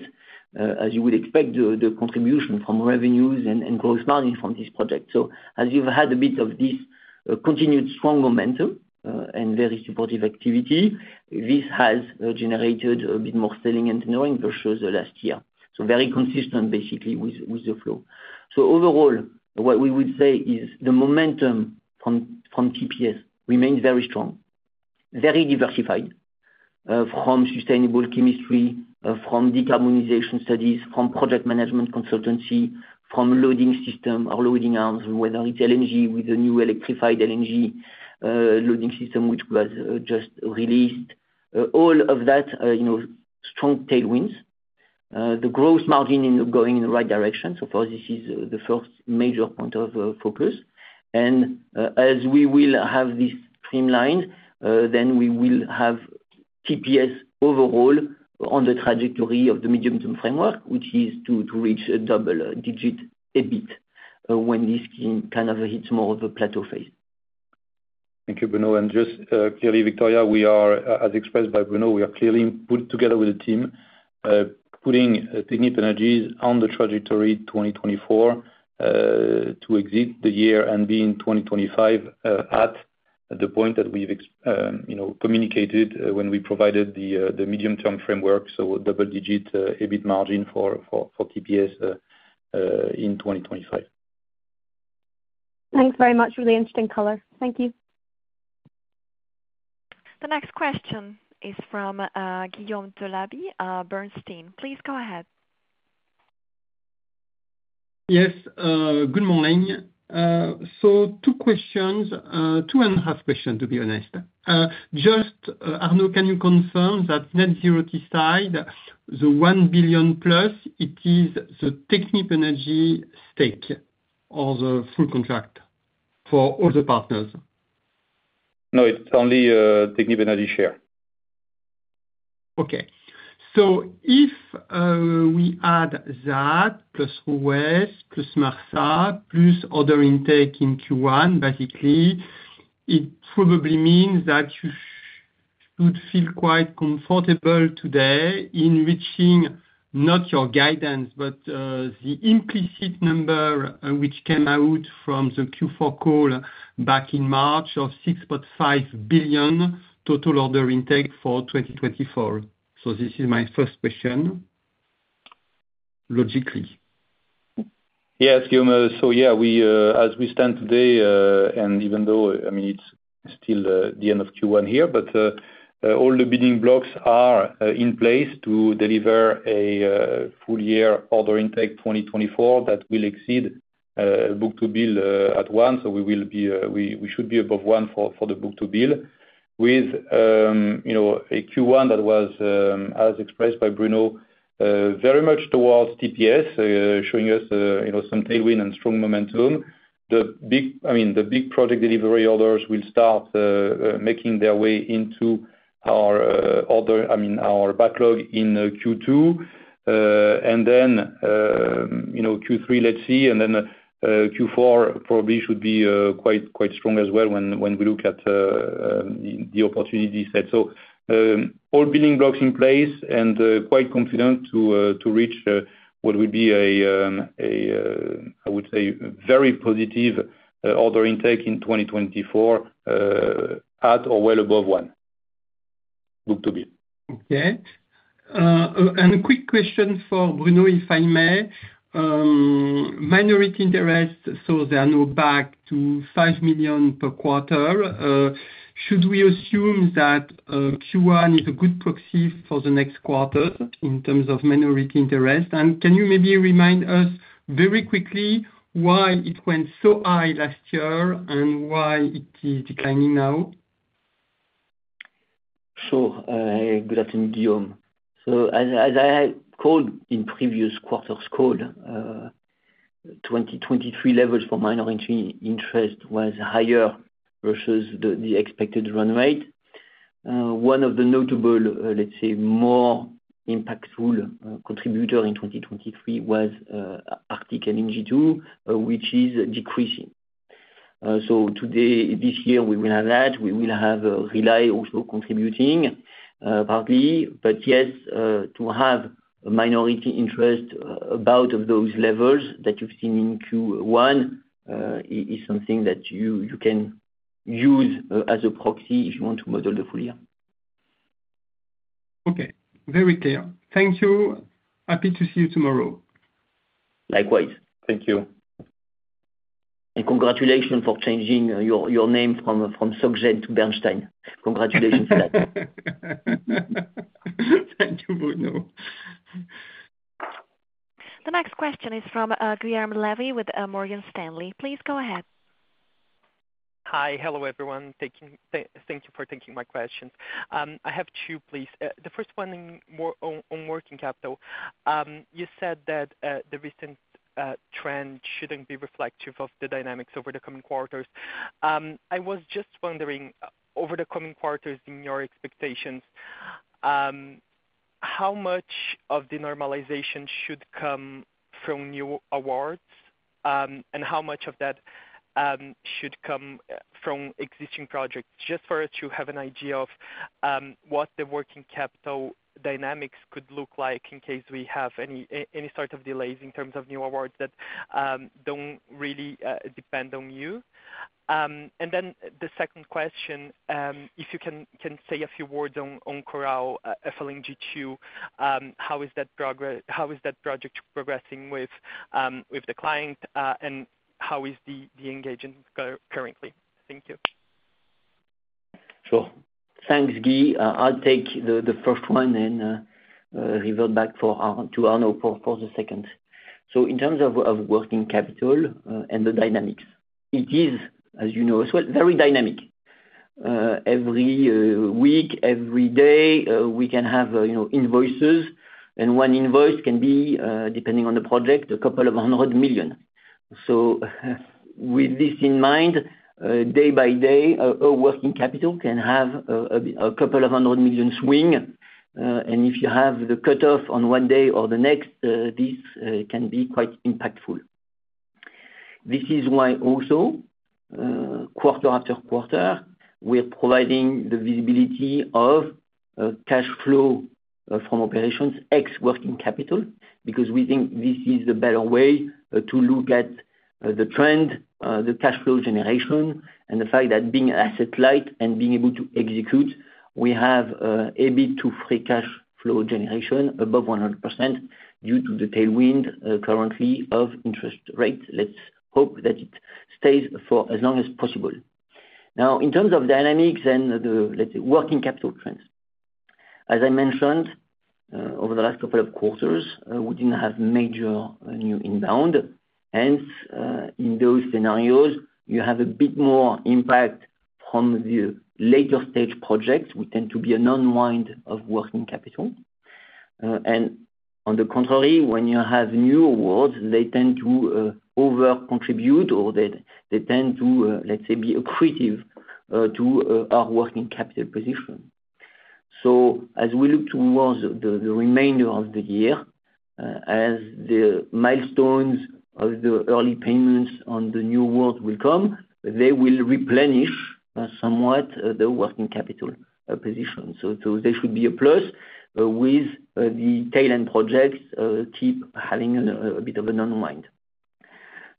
Speaker 4: as you would expect, the contribution from revenues and gross margin from this project. So as you've had a bit of this continued strong momentum and very supportive activity, this has generated a bit more selling and tendering versus last year. So very consistent, basically, with the flow. So overall, what we would say is the momentum from TPS remains very strong, very diversified from sustainable chemistry, from decarbonization studies, from project management consultancy, from loading system or loading arms, whether it's LNG with a new electrified LNG loading system which was just released. All of that, strong tailwinds. The gross margin is going in the right direction. So for us, this is the first major point of focus. And as we will have this streamlined, then we will have TPS overall on the trajectory of the medium-term framework, which is to reach a double-digit EBIT when this kind of hits more of a plateau phase.
Speaker 3: Thank you, Bruno. Just clearly, Victoria, as expressed by Bruno, we are clearly put together with the team, putting Technip Energies on the trajectory 2024 to exit the year and be in 2025 at the point that we've communicated when we provided the medium-term framework, so double-digit EBIT margin for TPS in 2025.
Speaker 7: Thanks very much. Really interesting color. Thank you.
Speaker 1: The next question is from Guillaume Delaby, Bernstein. Please go ahead.
Speaker 8: Yes. Good morning. So two questions, two and a half questions, to be honest. Just, Arnaud, can you confirm that Net Zero Teesside, the 1 billion+, it is the Technip Energies stake or the full contract for all the partners?
Speaker 3: No, it's only Technip Energies share.
Speaker 8: Okay. So if we add that plus Ruwais plus Marsa plus order intake in Q1, basically, it probably means that you should feel quite comfortable today in reaching not your guidance, but the implicit number which came out from the Q4 call back in March of 6.5 billion total order intake for 2024. So this is my first question, logically.
Speaker 3: Yes, Guillaume. So yeah, as we stand today, and even though, I mean, it's still the end of Q1 here, but all the bidding blocks are in place to deliver a full-year order intake 2024 that will exceed book-to-bill at one. So we should be above one for the book-to-bill with a Q1 that was, as expressed by Bruno, very much towards TPS, showing us some tailwind and strong momentum. I mean, the big project delivery orders will start making their way into our backlog in Q2. And then Q3, let's see. And then Q4 probably should be quite strong as well when we look at the opportunity set. So all bidding blocks in place and quite confident to reach what will be a, I would say, very positive order intake in 2024 at or well above one book-to-bill.
Speaker 8: Okay. A quick question for Bruno, if I may. Minority interest, so there are now back to 5 million per quarter. Should we assume that Q1 is a good proxy for the next quarters in terms of minority interest? And can you maybe remind us very quickly why it went so high last year and why it is declining now?
Speaker 4: Sure. Good afternoon, Guillaume. So as I called in previous quarters' call, 2023 levels for minority interest was higher versus the expected run rate. One of the notable, let's say, more impactful contributors in 2023 was Arctic LNG 2, which is decreasing. So this year, we will have that. We will have Rely also contributing partly. But yes, to have minority interest above those levels that you've seen in Q1 is something that you can use as a proxy if you want to model the full year.
Speaker 8: Okay. Very clear. Thank you. Happy to see you tomorrow.
Speaker 4: Likewise.
Speaker 3: Thank you.
Speaker 4: Congratulations for changing your name from SocGen to Bernstein. Congratulations for that.
Speaker 8: Thank you, Bruno.
Speaker 1: The next question is from Guilherme Levy with Morgan Stanley. Please go ahead.
Speaker 9: Hi. Hello, everyone. Thank you for taking my questions. I have two, please. The first one on working capital. You said that the recent trend shouldn't be reflective of the dynamics over the coming quarters. I was just wondering, over the coming quarters, in your expectations, how much of the normalisation should come from new awards, and how much of that should come from existing projects? Just for us to have an idea of what the working capital dynamics could look like in case we have any sort of delays in terms of new awards that don't really depend on you. And then the second question, if you can say a few words on Coral FLNG 2, how is that project progressing with the client, and how is the engagement currently? Thank you.
Speaker 4: Sure. Thanks, Guil. I'll take the first one and revert back to Arnaud for the second. So in terms of working capital and the dynamics, it is, as you know as well, very dynamic. Every week, every day, we can have invoices. And one invoice can be, depending on the project, 200 million. So with this in mind, day by day, a working capital can have a 200 million swing. And if you have the cutoff on one day or the next, this can be quite impactful. This is why also, quarter after quarter, we're providing the visibility of cash flow from operations ex working capital because we think this is the better way to look at the trend, the cash flow generation, and the fact that being asset light and being able to execute, we have EBIT to free cash flow generation above 100% due to the tailwind currently of interest rates. Let's hope that it stays for as long as possible. Now, in terms of dynamics and the, let's say, working capital trends, as I mentioned, over the last couple of quarters, we didn't have major new inbound. Hence, in those scenarios, you have a bit more impact from the later-stage projects. We tend to be an unwind of working capital. On the contrary, when you have new awards, they tend to overcontribute, or they tend to, let's say, be accretive to our working capital position. So as we look towards the remainder of the year, as the milestones of the early payments on the new awards will come, they will replenish somewhat the working capital position. So there should be a plus with the tailend projects keep having a bit of an unwind.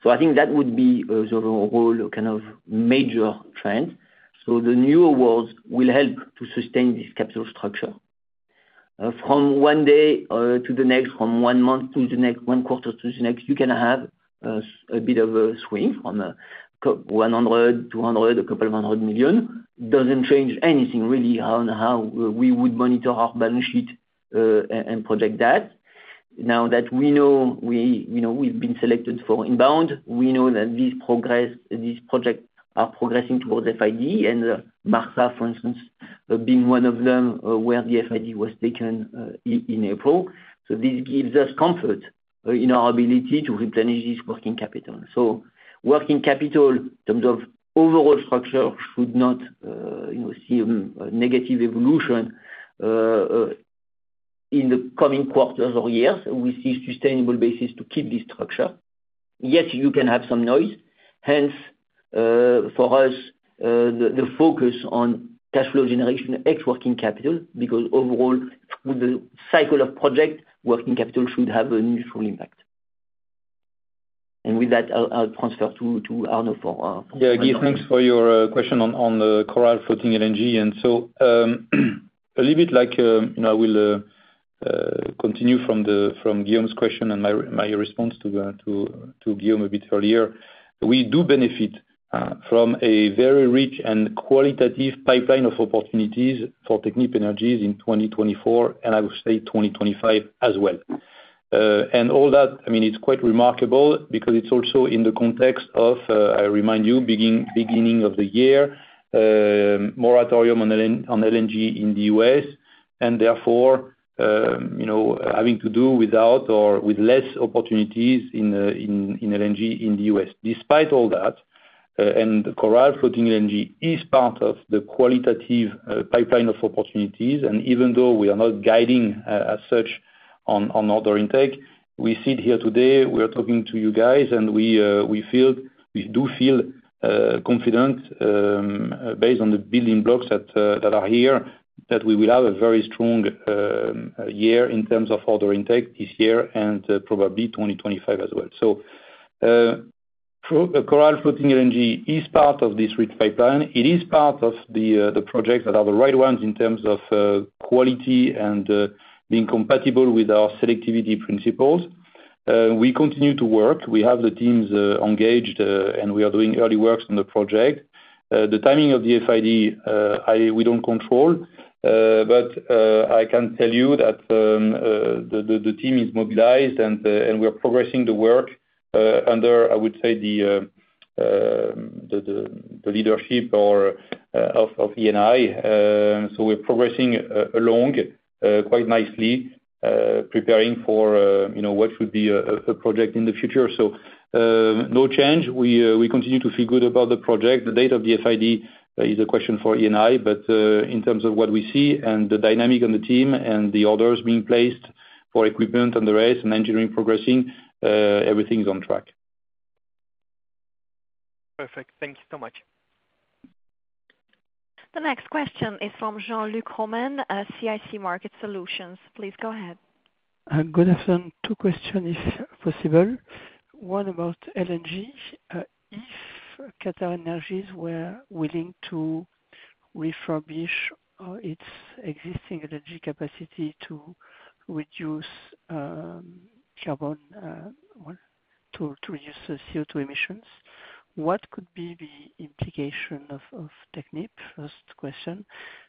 Speaker 4: So I think that would be the overall kind of major trend. So the new awards will help to sustain this capital structure. From one day to the next, from one month to the next, one quarter to the next, you can have a bit of a swing from 100 million, 200 million, a couple of hundred million. Doesn't change anything, really, on how we would monitor our balance sheet and project that. Now that we know we've been selected for inbound, we know that these projects are progressing towards FID. And Marsa, for instance, being one of them where the FID was taken in April. So this gives us comfort in our ability to replenish this working capital. So working capital, in terms of overall structure, should not see a negative evolution in the coming quarters or years. We see sustainable basis to keep this structure. Yes, you can have some noise. Hence, for us, the focus on cash flow generation ex working capital because overall, through the cycle of projects, working capital should have a neutral impact. And with that, I'll transfer to Arnaud for.
Speaker 3: Yeah, Guy, thanks for your question on Coral Floating LNG. And so a little bit like I will continue from Guillaume's question and my response to Guillaume a bit earlier. We do benefit from a very rich and qualitative pipeline of opportunities for Technip Energies in 2024, and I would say 2025 as well. And all that, I mean, it's quite remarkable because it's also in the context of, I remind you, beginning of the year, moratorium on LNG in the U.S., and therefore having to do without or with less opportunities in LNG in the U.S. Despite all that, and Coral Floating LNG is part of the qualitative pipeline of opportunities. And even though we are not guiding as such on order intake, we sit here today, we are talking to you guys, and we do feel confident based on the building blocks that are here that we will have a very strong year in terms of order intake this year and probably 2025 as well. So Coral Floating LNG is part of this rich pipeline. It is part of the projects that are the right ones in terms of quality and being compatible with our selectivity principles. We continue to work. We have the teams engaged, and we are doing early works on the project. The timing of the FID, we don't control. But I can tell you that the team is mobilized, and we are progressing the work under, I would say, the leadership of Eni. We're progressing along quite nicely, preparing for what should be a project in the future. No change. We continue to feel good about the project. The date of the FID is a question for Eni. But in terms of what we see and the dynamic on the team and the orders being placed for equipment and the rest and engineering progressing, everything is on track.
Speaker 8: Perfect. Thank you so much.
Speaker 1: The next question is from Jean-Luc Romain at CIC Market Solutions. Please go ahead.
Speaker 10: Good afternoon. Two questions, if possible. One about LNG. If QatarEnergy were willing to refurbish its existing energy capacity to reduce carbon well, to reduce CO2 emissions, what could be the implication of Technip? First question.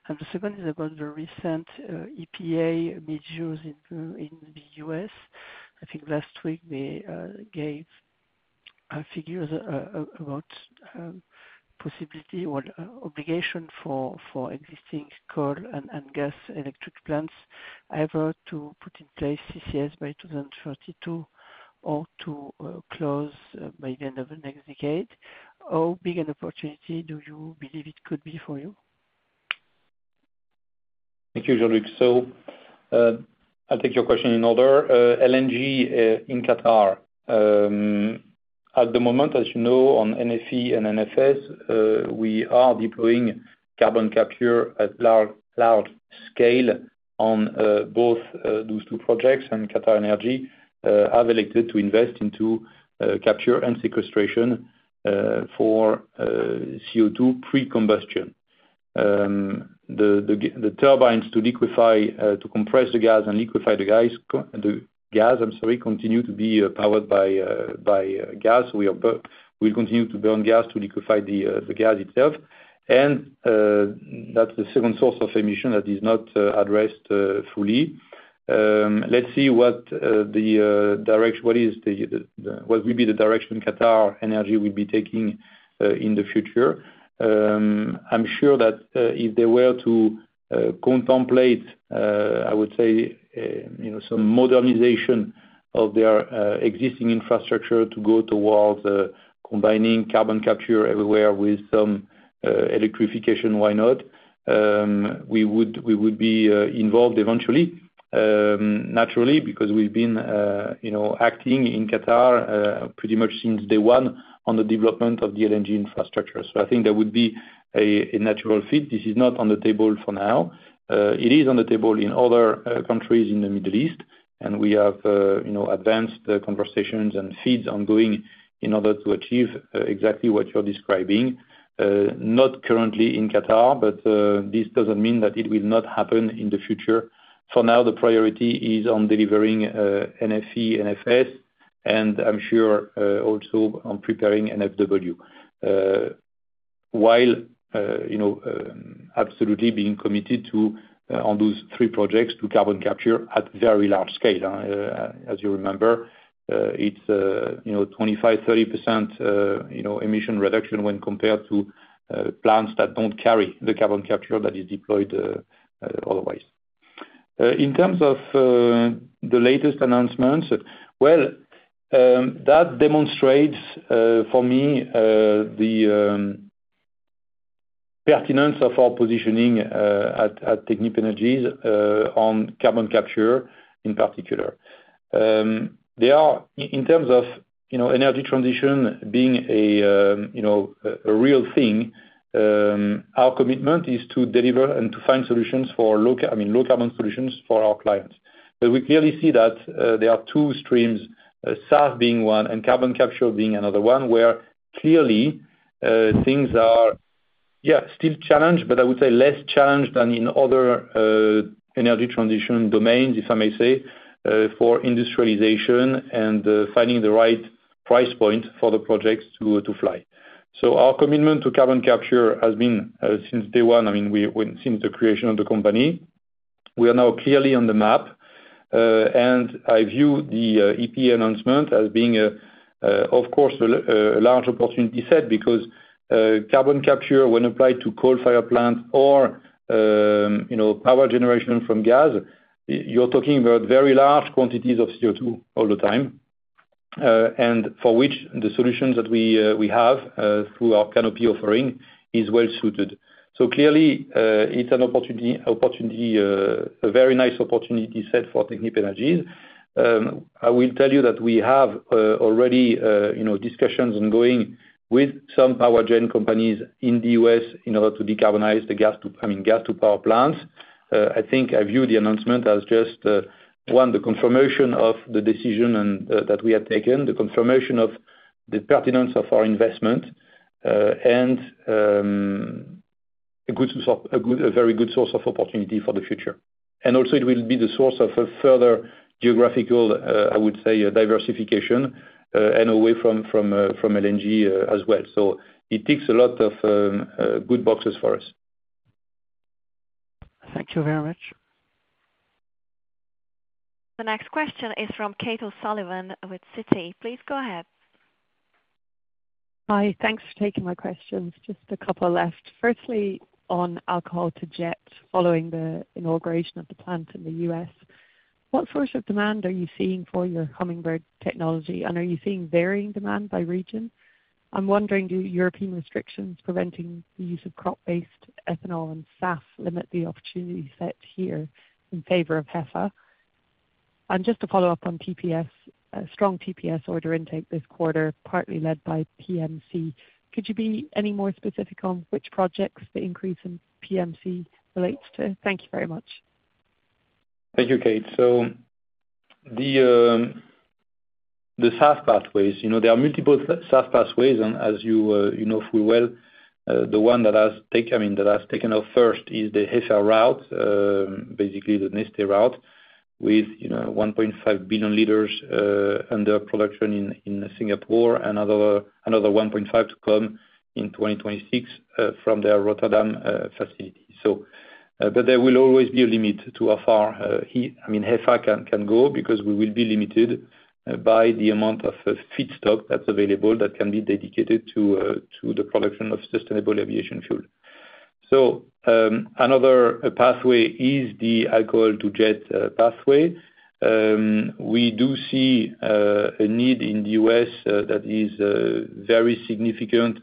Speaker 10: The second is about the recent EPA measures in the U.S. I think last week, they gave figures about possibility or obligation for existing coal and gas electric plants either to put in place CCS by 2032 or to close by the end of the next decade. How big an opportunity do you believe it could be for you?
Speaker 3: Thank you, Jean-Luc. So I'll take your question in order. LNG in Qatar, at the moment, as you know, on NFE and NFS, we are deploying carbon capture at large scale on both those two projects. And QatarEnergy have elected to invest into capture and sequestration for CO2 pre-combustion. The turbines to liquefy to compress the gas and liquefy the gas I'm sorry, continue to be powered by gas. So we will continue to burn gas to liquefy the gas itself. And that's the second source of emission that is not addressed fully. Let's see what the direction what will be the direction QatarEnergy will be taking in the future. I'm sure that if they were to contemplate, I would say, some modernization of their existing infrastructure to go towards combining carbon capture everywhere with some electrification, why not? We would be involved eventually, naturally, because we've been acting in Qatar pretty much since day one on the development of the LNG infrastructure. So I think that would be a natural fit. This is not on the table for now. It is on the table in other countries in the Middle East. And we have advanced conversations and FEEDs ongoing in order to achieve exactly what you're describing, not currently in Qatar. But this doesn't mean that it will not happen in the future. For now, the priority is on delivering NFE, NFS, and I'm sure also on preparing NFW while absolutely being committed on those three projects to carbon capture at very large scale. As you remember, it's 25%-30% emission reduction when compared to plants that don't carry the carbon capture that is deployed otherwise. In terms of the latest announcements, well, that demonstrates for me the pertinence of our positioning at Technip Energies on carbon capture in particular. In terms of energy transition being a real thing, our commitment is to deliver and to find solutions for I mean, low-carbon solutions for our clients. But we clearly see that there are two streams, SAF being one and carbon capture being another one, where clearly, things are, yeah, still challenged, but I would say less challenged than in other energy transition domains, if I may say, for industrialization and finding the right price point for the projects to fly. So our commitment to carbon capture has been since day one. I mean, since the creation of the company, we are now clearly on the map. And I view the EPA announcement as being, of course, a large opportunity set because carbon capture, when applied to coal-fired plants or power generation from gas, you're talking about very large quantities of CO2 all the time, and for which the solutions that we have through our Canopy offering is well suited. So clearly, it's an opportunity, a very nice opportunity set for Technip Energies. I will tell you that we have already discussions ongoing with some power gen companies in the U.S. in order to decarbonize the gas to I mean, gas-to-power plants. I think I view the announcement as just, one, the confirmation of the decision that we have taken, the confirmation of the pertinence of our investment, and a very good source of opportunity for the future. Also, it will be the source of a further geographical, I would say, diversification and away from LNG as well. It ticks a lot of good boxes for us.
Speaker 10: Thank you very much.
Speaker 1: The next question is from Kate O'Sullivan with Citi. Please go ahead.
Speaker 11: Hi. Thanks for taking my questions. Just a couple left. Firstly, on Alcohol-to-Jet following the inauguration of the plant in the U.S., what sort of demand are you seeing for your Hummingbird technology? And are you seeing varying demand by region? I'm wondering, do European restrictions preventing the use of crop-based ethanol and SAF limit the opportunity set here in favor of HEFA? And just to follow up on TPS, strong TPS order intake this quarter, partly led by PMC. Could you be any more specific on which projects the increase in PMC relates to? Thank you very much.
Speaker 3: Thank you, Kate. So the SAF pathways, there are multiple SAF pathways. And as you know full well, the one that has taken I mean, that has taken off first is the HEFA route, basically the Neste route, with 1.5 billion liters under production in Singapore and another 1.5 to come in 2026 from their Rotterdam facility. But there will always be a limit to how far I mean, HEFA can go because we will be limited by the amount of feedstock that's available that can be dedicated to the production of sustainable aviation fuel. So another pathway is the alcohol-to-jet pathway. We do see a need in the U.S. that is very significant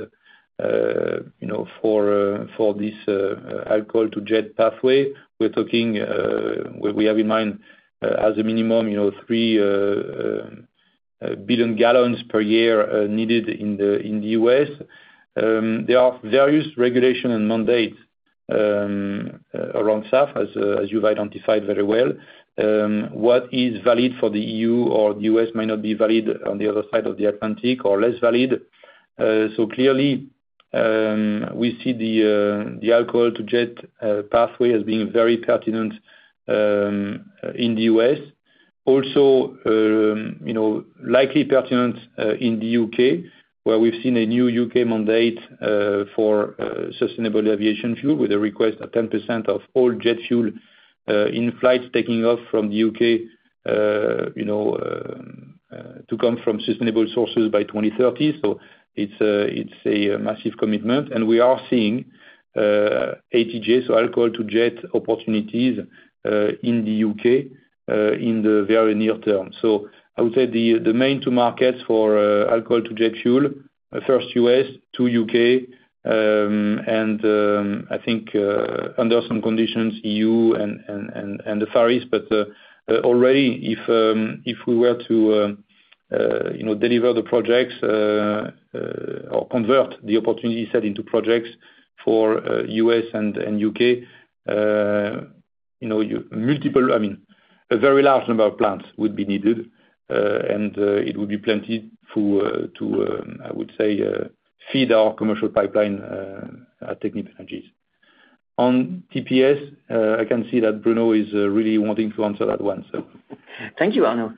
Speaker 3: for this alcohol-to-jet pathway. We have in mind, as a minimum, 3 billion gallons per year needed in the U.S. There are various regulations and mandates around SAF, as you've identified very well. What is valid for the EU or the U.S. might not be valid on the other side of the Atlantic or less valid. So clearly, we see the alcohol-to-jet pathway as being very pertinent in the U.S., also likely pertinent in the U.K., where we've seen a new U.K. mandate for sustainable aviation fuel with a request that 10% of all jet fuel in flights taking off from the U.K. to come from sustainable sources by 2030. So it's a massive commitment. And we are seeing ATJ, so alcohol-to-jet opportunities in the U.K. in the very near term. So I would say the main two markets for alcohol-to-jet fuel, first U.S., 2 U.K. And I think under some conditions, EU and the Far East. But already, if we were to deliver the projects or convert the opportunity set into projects for U.S. and U.K., multiple I mean, a very large number of plants would be needed. And it would be plenty to, I would say, feed our commercial pipeline at Technip Energies. On TPS, I can see that Bruno is really wanting to answer that one, so.
Speaker 4: Thank you, Arnaud.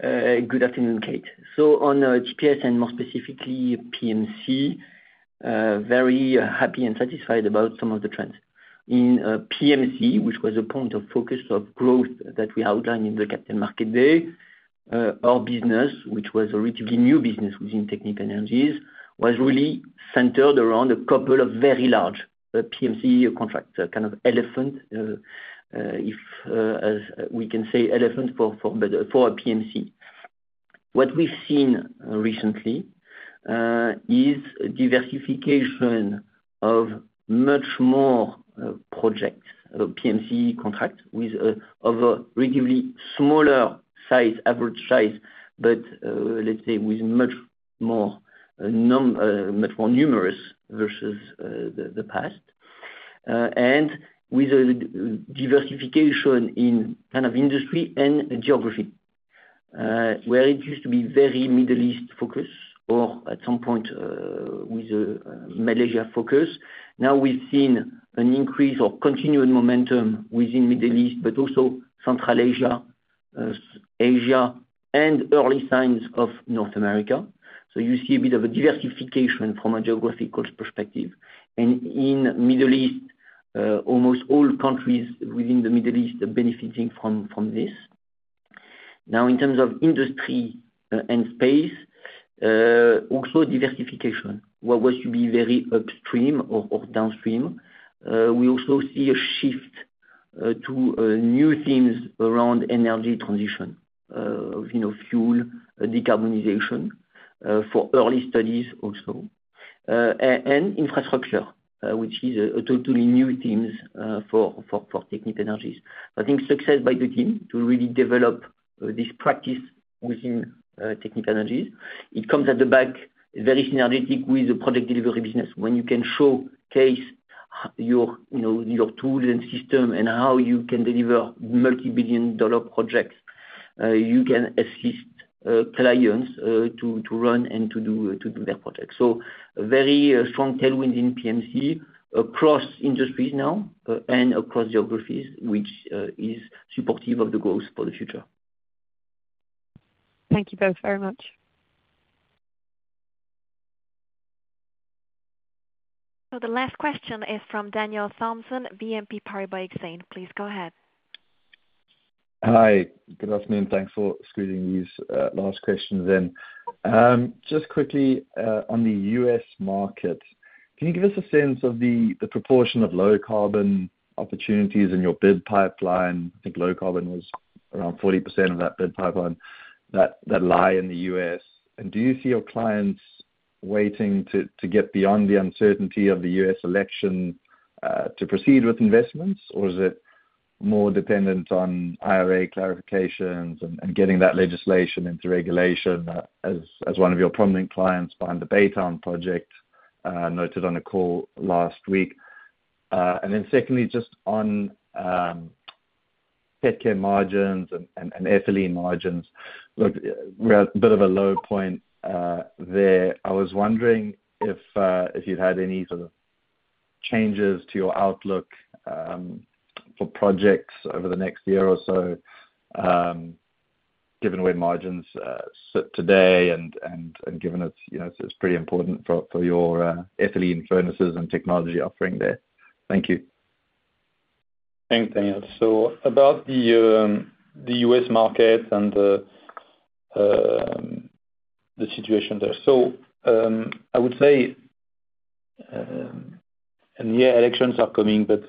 Speaker 4: Good afternoon, Kate. So on TPS and more specifically PMC, very happy and satisfied about some of the trends. In PMC, which was a point of focus of growth that we outlined in the Capital Markets Day, our business, which was a relatively new business within Technip Energies, was really centered around a couple of very large PMC contracts, kind of elephant, if we can say, elephant for a PMC. What we've seen recently is diversification of much more projects, PMC contracts, of a relatively smaller size, average size, but let's say, with much more much more numerous versus the past, and with a diversification in kind of industry and geography, where it used to be very Middle East focus or at some point with a Malaysia focus. Now, we've seen an increase or continued momentum within Middle East, but also Central Asia, Asia, and early signs of North America. So you see a bit of a diversification from a geographical perspective. And in Middle East, almost all countries within the Middle East are benefiting from this. Now, in terms of industry and space, also diversification, what was to be very upstream or downstream, we also see a shift to new themes around energy transition, fuel, decarbonization for early studies also, and infrastructure, which is totally new themes for Technip Energies. I think success by the team to really develop this practice within Technip Energies, it comes at the back, very synergetic with the project delivery business, when you can showcase your tools and system and how you can deliver multi-billion-dollar projects. You can assist clients to run and to do their projects. Very strong tailwinds in PMC across industries now and across geographies, which is supportive of the growth for the future.
Speaker 11: Thank you both very much.
Speaker 1: So the last question is from Daniel Thomson, BNP Paribas Exane. Please go ahead.
Speaker 12: Hi. Good afternoon. Thanks for squeezing these last questions in. Just quickly, on the U.S. market, can you give us a sense of the proportion of low-carbon opportunities in your bid pipeline? I think low-carbon was around 40% of that bid pipeline that lie in the U.S. And do you see your clients waiting to get beyond the uncertainty of the U.S. election to proceed with investments, or is it more dependent on IRA clarifications and getting that legislation into regulation as one of your prominent clients behind the Baytown project noted on a call last week? And then secondly, just on petrochemical margins and ethylene margins, look, we're at a bit of a low point there. I was wondering if you'd had any sort of changes to your outlook for projects over the next year or so, given where margins sit today and given it's pretty important for your ethylene furnaces and technology offering there? Thank you.
Speaker 3: Thanks, Daniel. So about the U.S. market and the situation there. So I would say, and yeah, elections are coming, but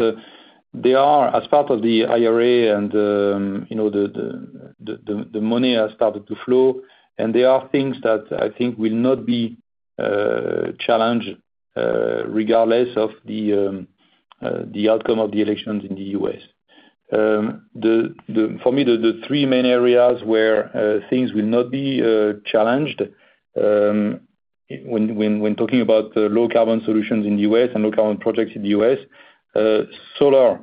Speaker 3: they are as part of the IRA, and the money has started to flow. And there are things that I think will not be challenged regardless of the outcome of the elections in the U.S. For me, the three main areas where things will not be challenged when talking about low-carbon solutions in the U.S. and low-carbon projects in the U.S., solar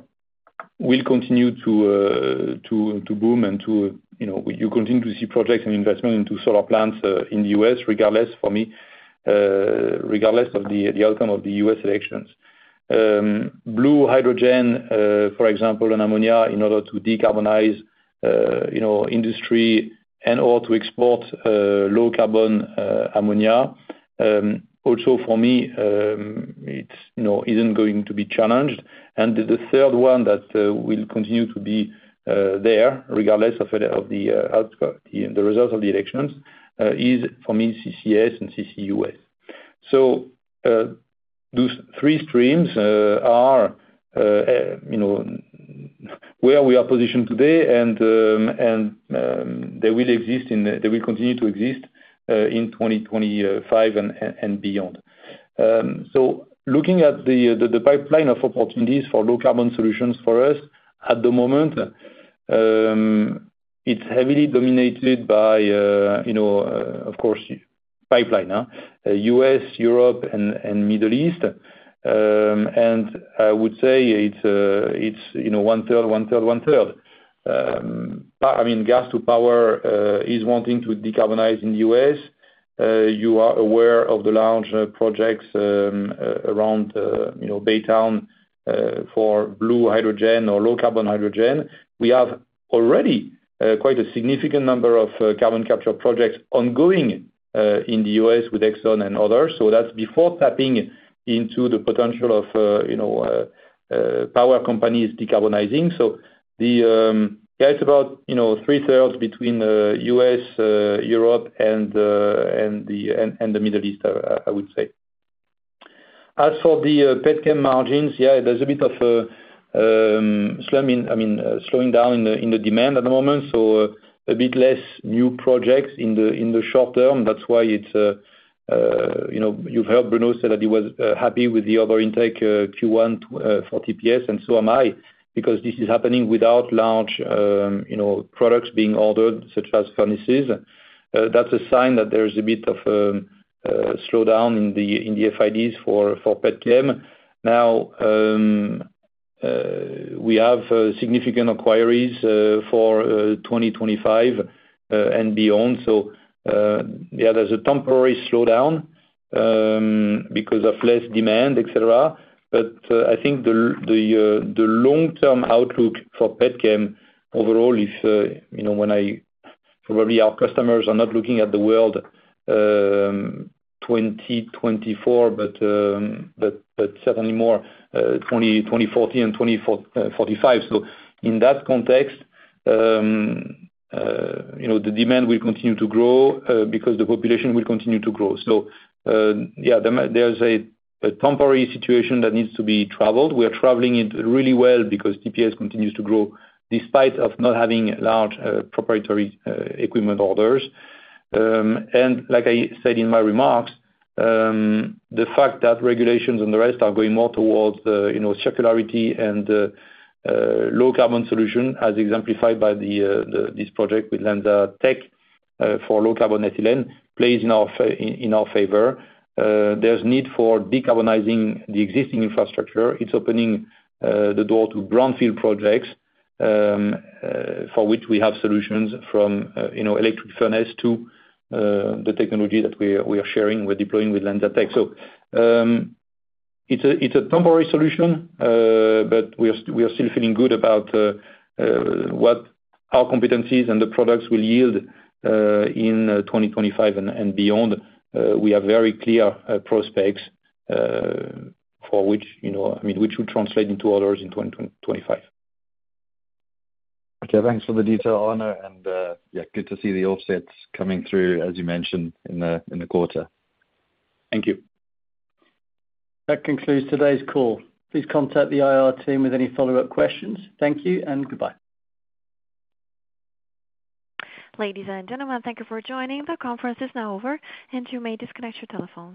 Speaker 3: will continue to boom, and you continue to see projects and investment into solar plants in the U.S. regardless, for me, regardless of the outcome of the U.S. elections. Blue hydrogen, for example, and ammonia in order to decarbonize industry and/or to export low-carbon ammonia, also for me, it isn't going to be challenged. And the third one that will continue to be there regardless of the results of the elections is, for me, CCS and CCUS. So those three streams are where we are positioned today, and they will exist in they will continue to exist in 2025 and beyond. So looking at the pipeline of opportunities for low-carbon solutions for us at the moment, it's heavily dominated by, of course, pipeline, U.S., Europe, and Middle East. And I would say it's one-third, one-third, one-third. I mean, gas-to-power is wanting to decarbonize in the U.S. You are aware of the large projects around Baytown for blue hydrogen or low-carbon hydrogen. We have already quite a significant number of carbon capture projects ongoing in the U.S. with Exxon and others. So that's before tapping into the potential of power companies decarbonizing. So yeah, it's about one-third between the US, Europe, and the Middle East, I would say. As for the petrochemicals margins, yeah, there's a bit of a slowing down in the demand at the moment. So a bit less new projects in the short term. That's why it's you've heard Bruno say that he was happy with the order intake Q1 for TPS, and so am I, because this is happening without large products being ordered, such as furnaces. That's a sign that there is a bit of a slowdown in the FIDs for petrochemicals. Now, we have significant enquiries for 2025 and beyond. So yeah, there's a temporary slowdown because of less demand, etc. But I think the long-term outlook for petrochemicals overall, when I probably our customers are not looking at the world 2024, but certainly more 2040 and 2045. So in that context, the demand will continue to grow because the population will continue to grow. So yeah, there's a temporary situation that needs to be traveled. We are traveling it really well because TPS continues to grow despite not having large proprietary equipment orders. And like I said in my remarks, the fact that regulations and the rest are going more towards circularity and low-carbon solution, as exemplified by this project with LanzaTech for low-carbon ethylene, plays in our favor. There's need for decarbonizing the existing infrastructure. It's opening the door to brownfield projects for which we have solutions from electric furnace to the technology that we are sharing, we're deploying with LanzaTech. So it's a temporary solution, but we are still feeling good about what our competencies and the products will yield in 2025 and beyond. We have very clear prospects for which I mean, which will translate into orders in 2025.
Speaker 12: Okay. Thanks for the detail, Arnaud. And yeah, good to see the offsets coming through, as you mentioned, in the quarter.
Speaker 3: Thank you.
Speaker 2: That concludes today's call. Please contact the IR team with any follow-up questions. Thank you and goodbye.
Speaker 1: Ladies and gentlemen, thank you for joining. The conference is now over, and you may disconnect your telephones.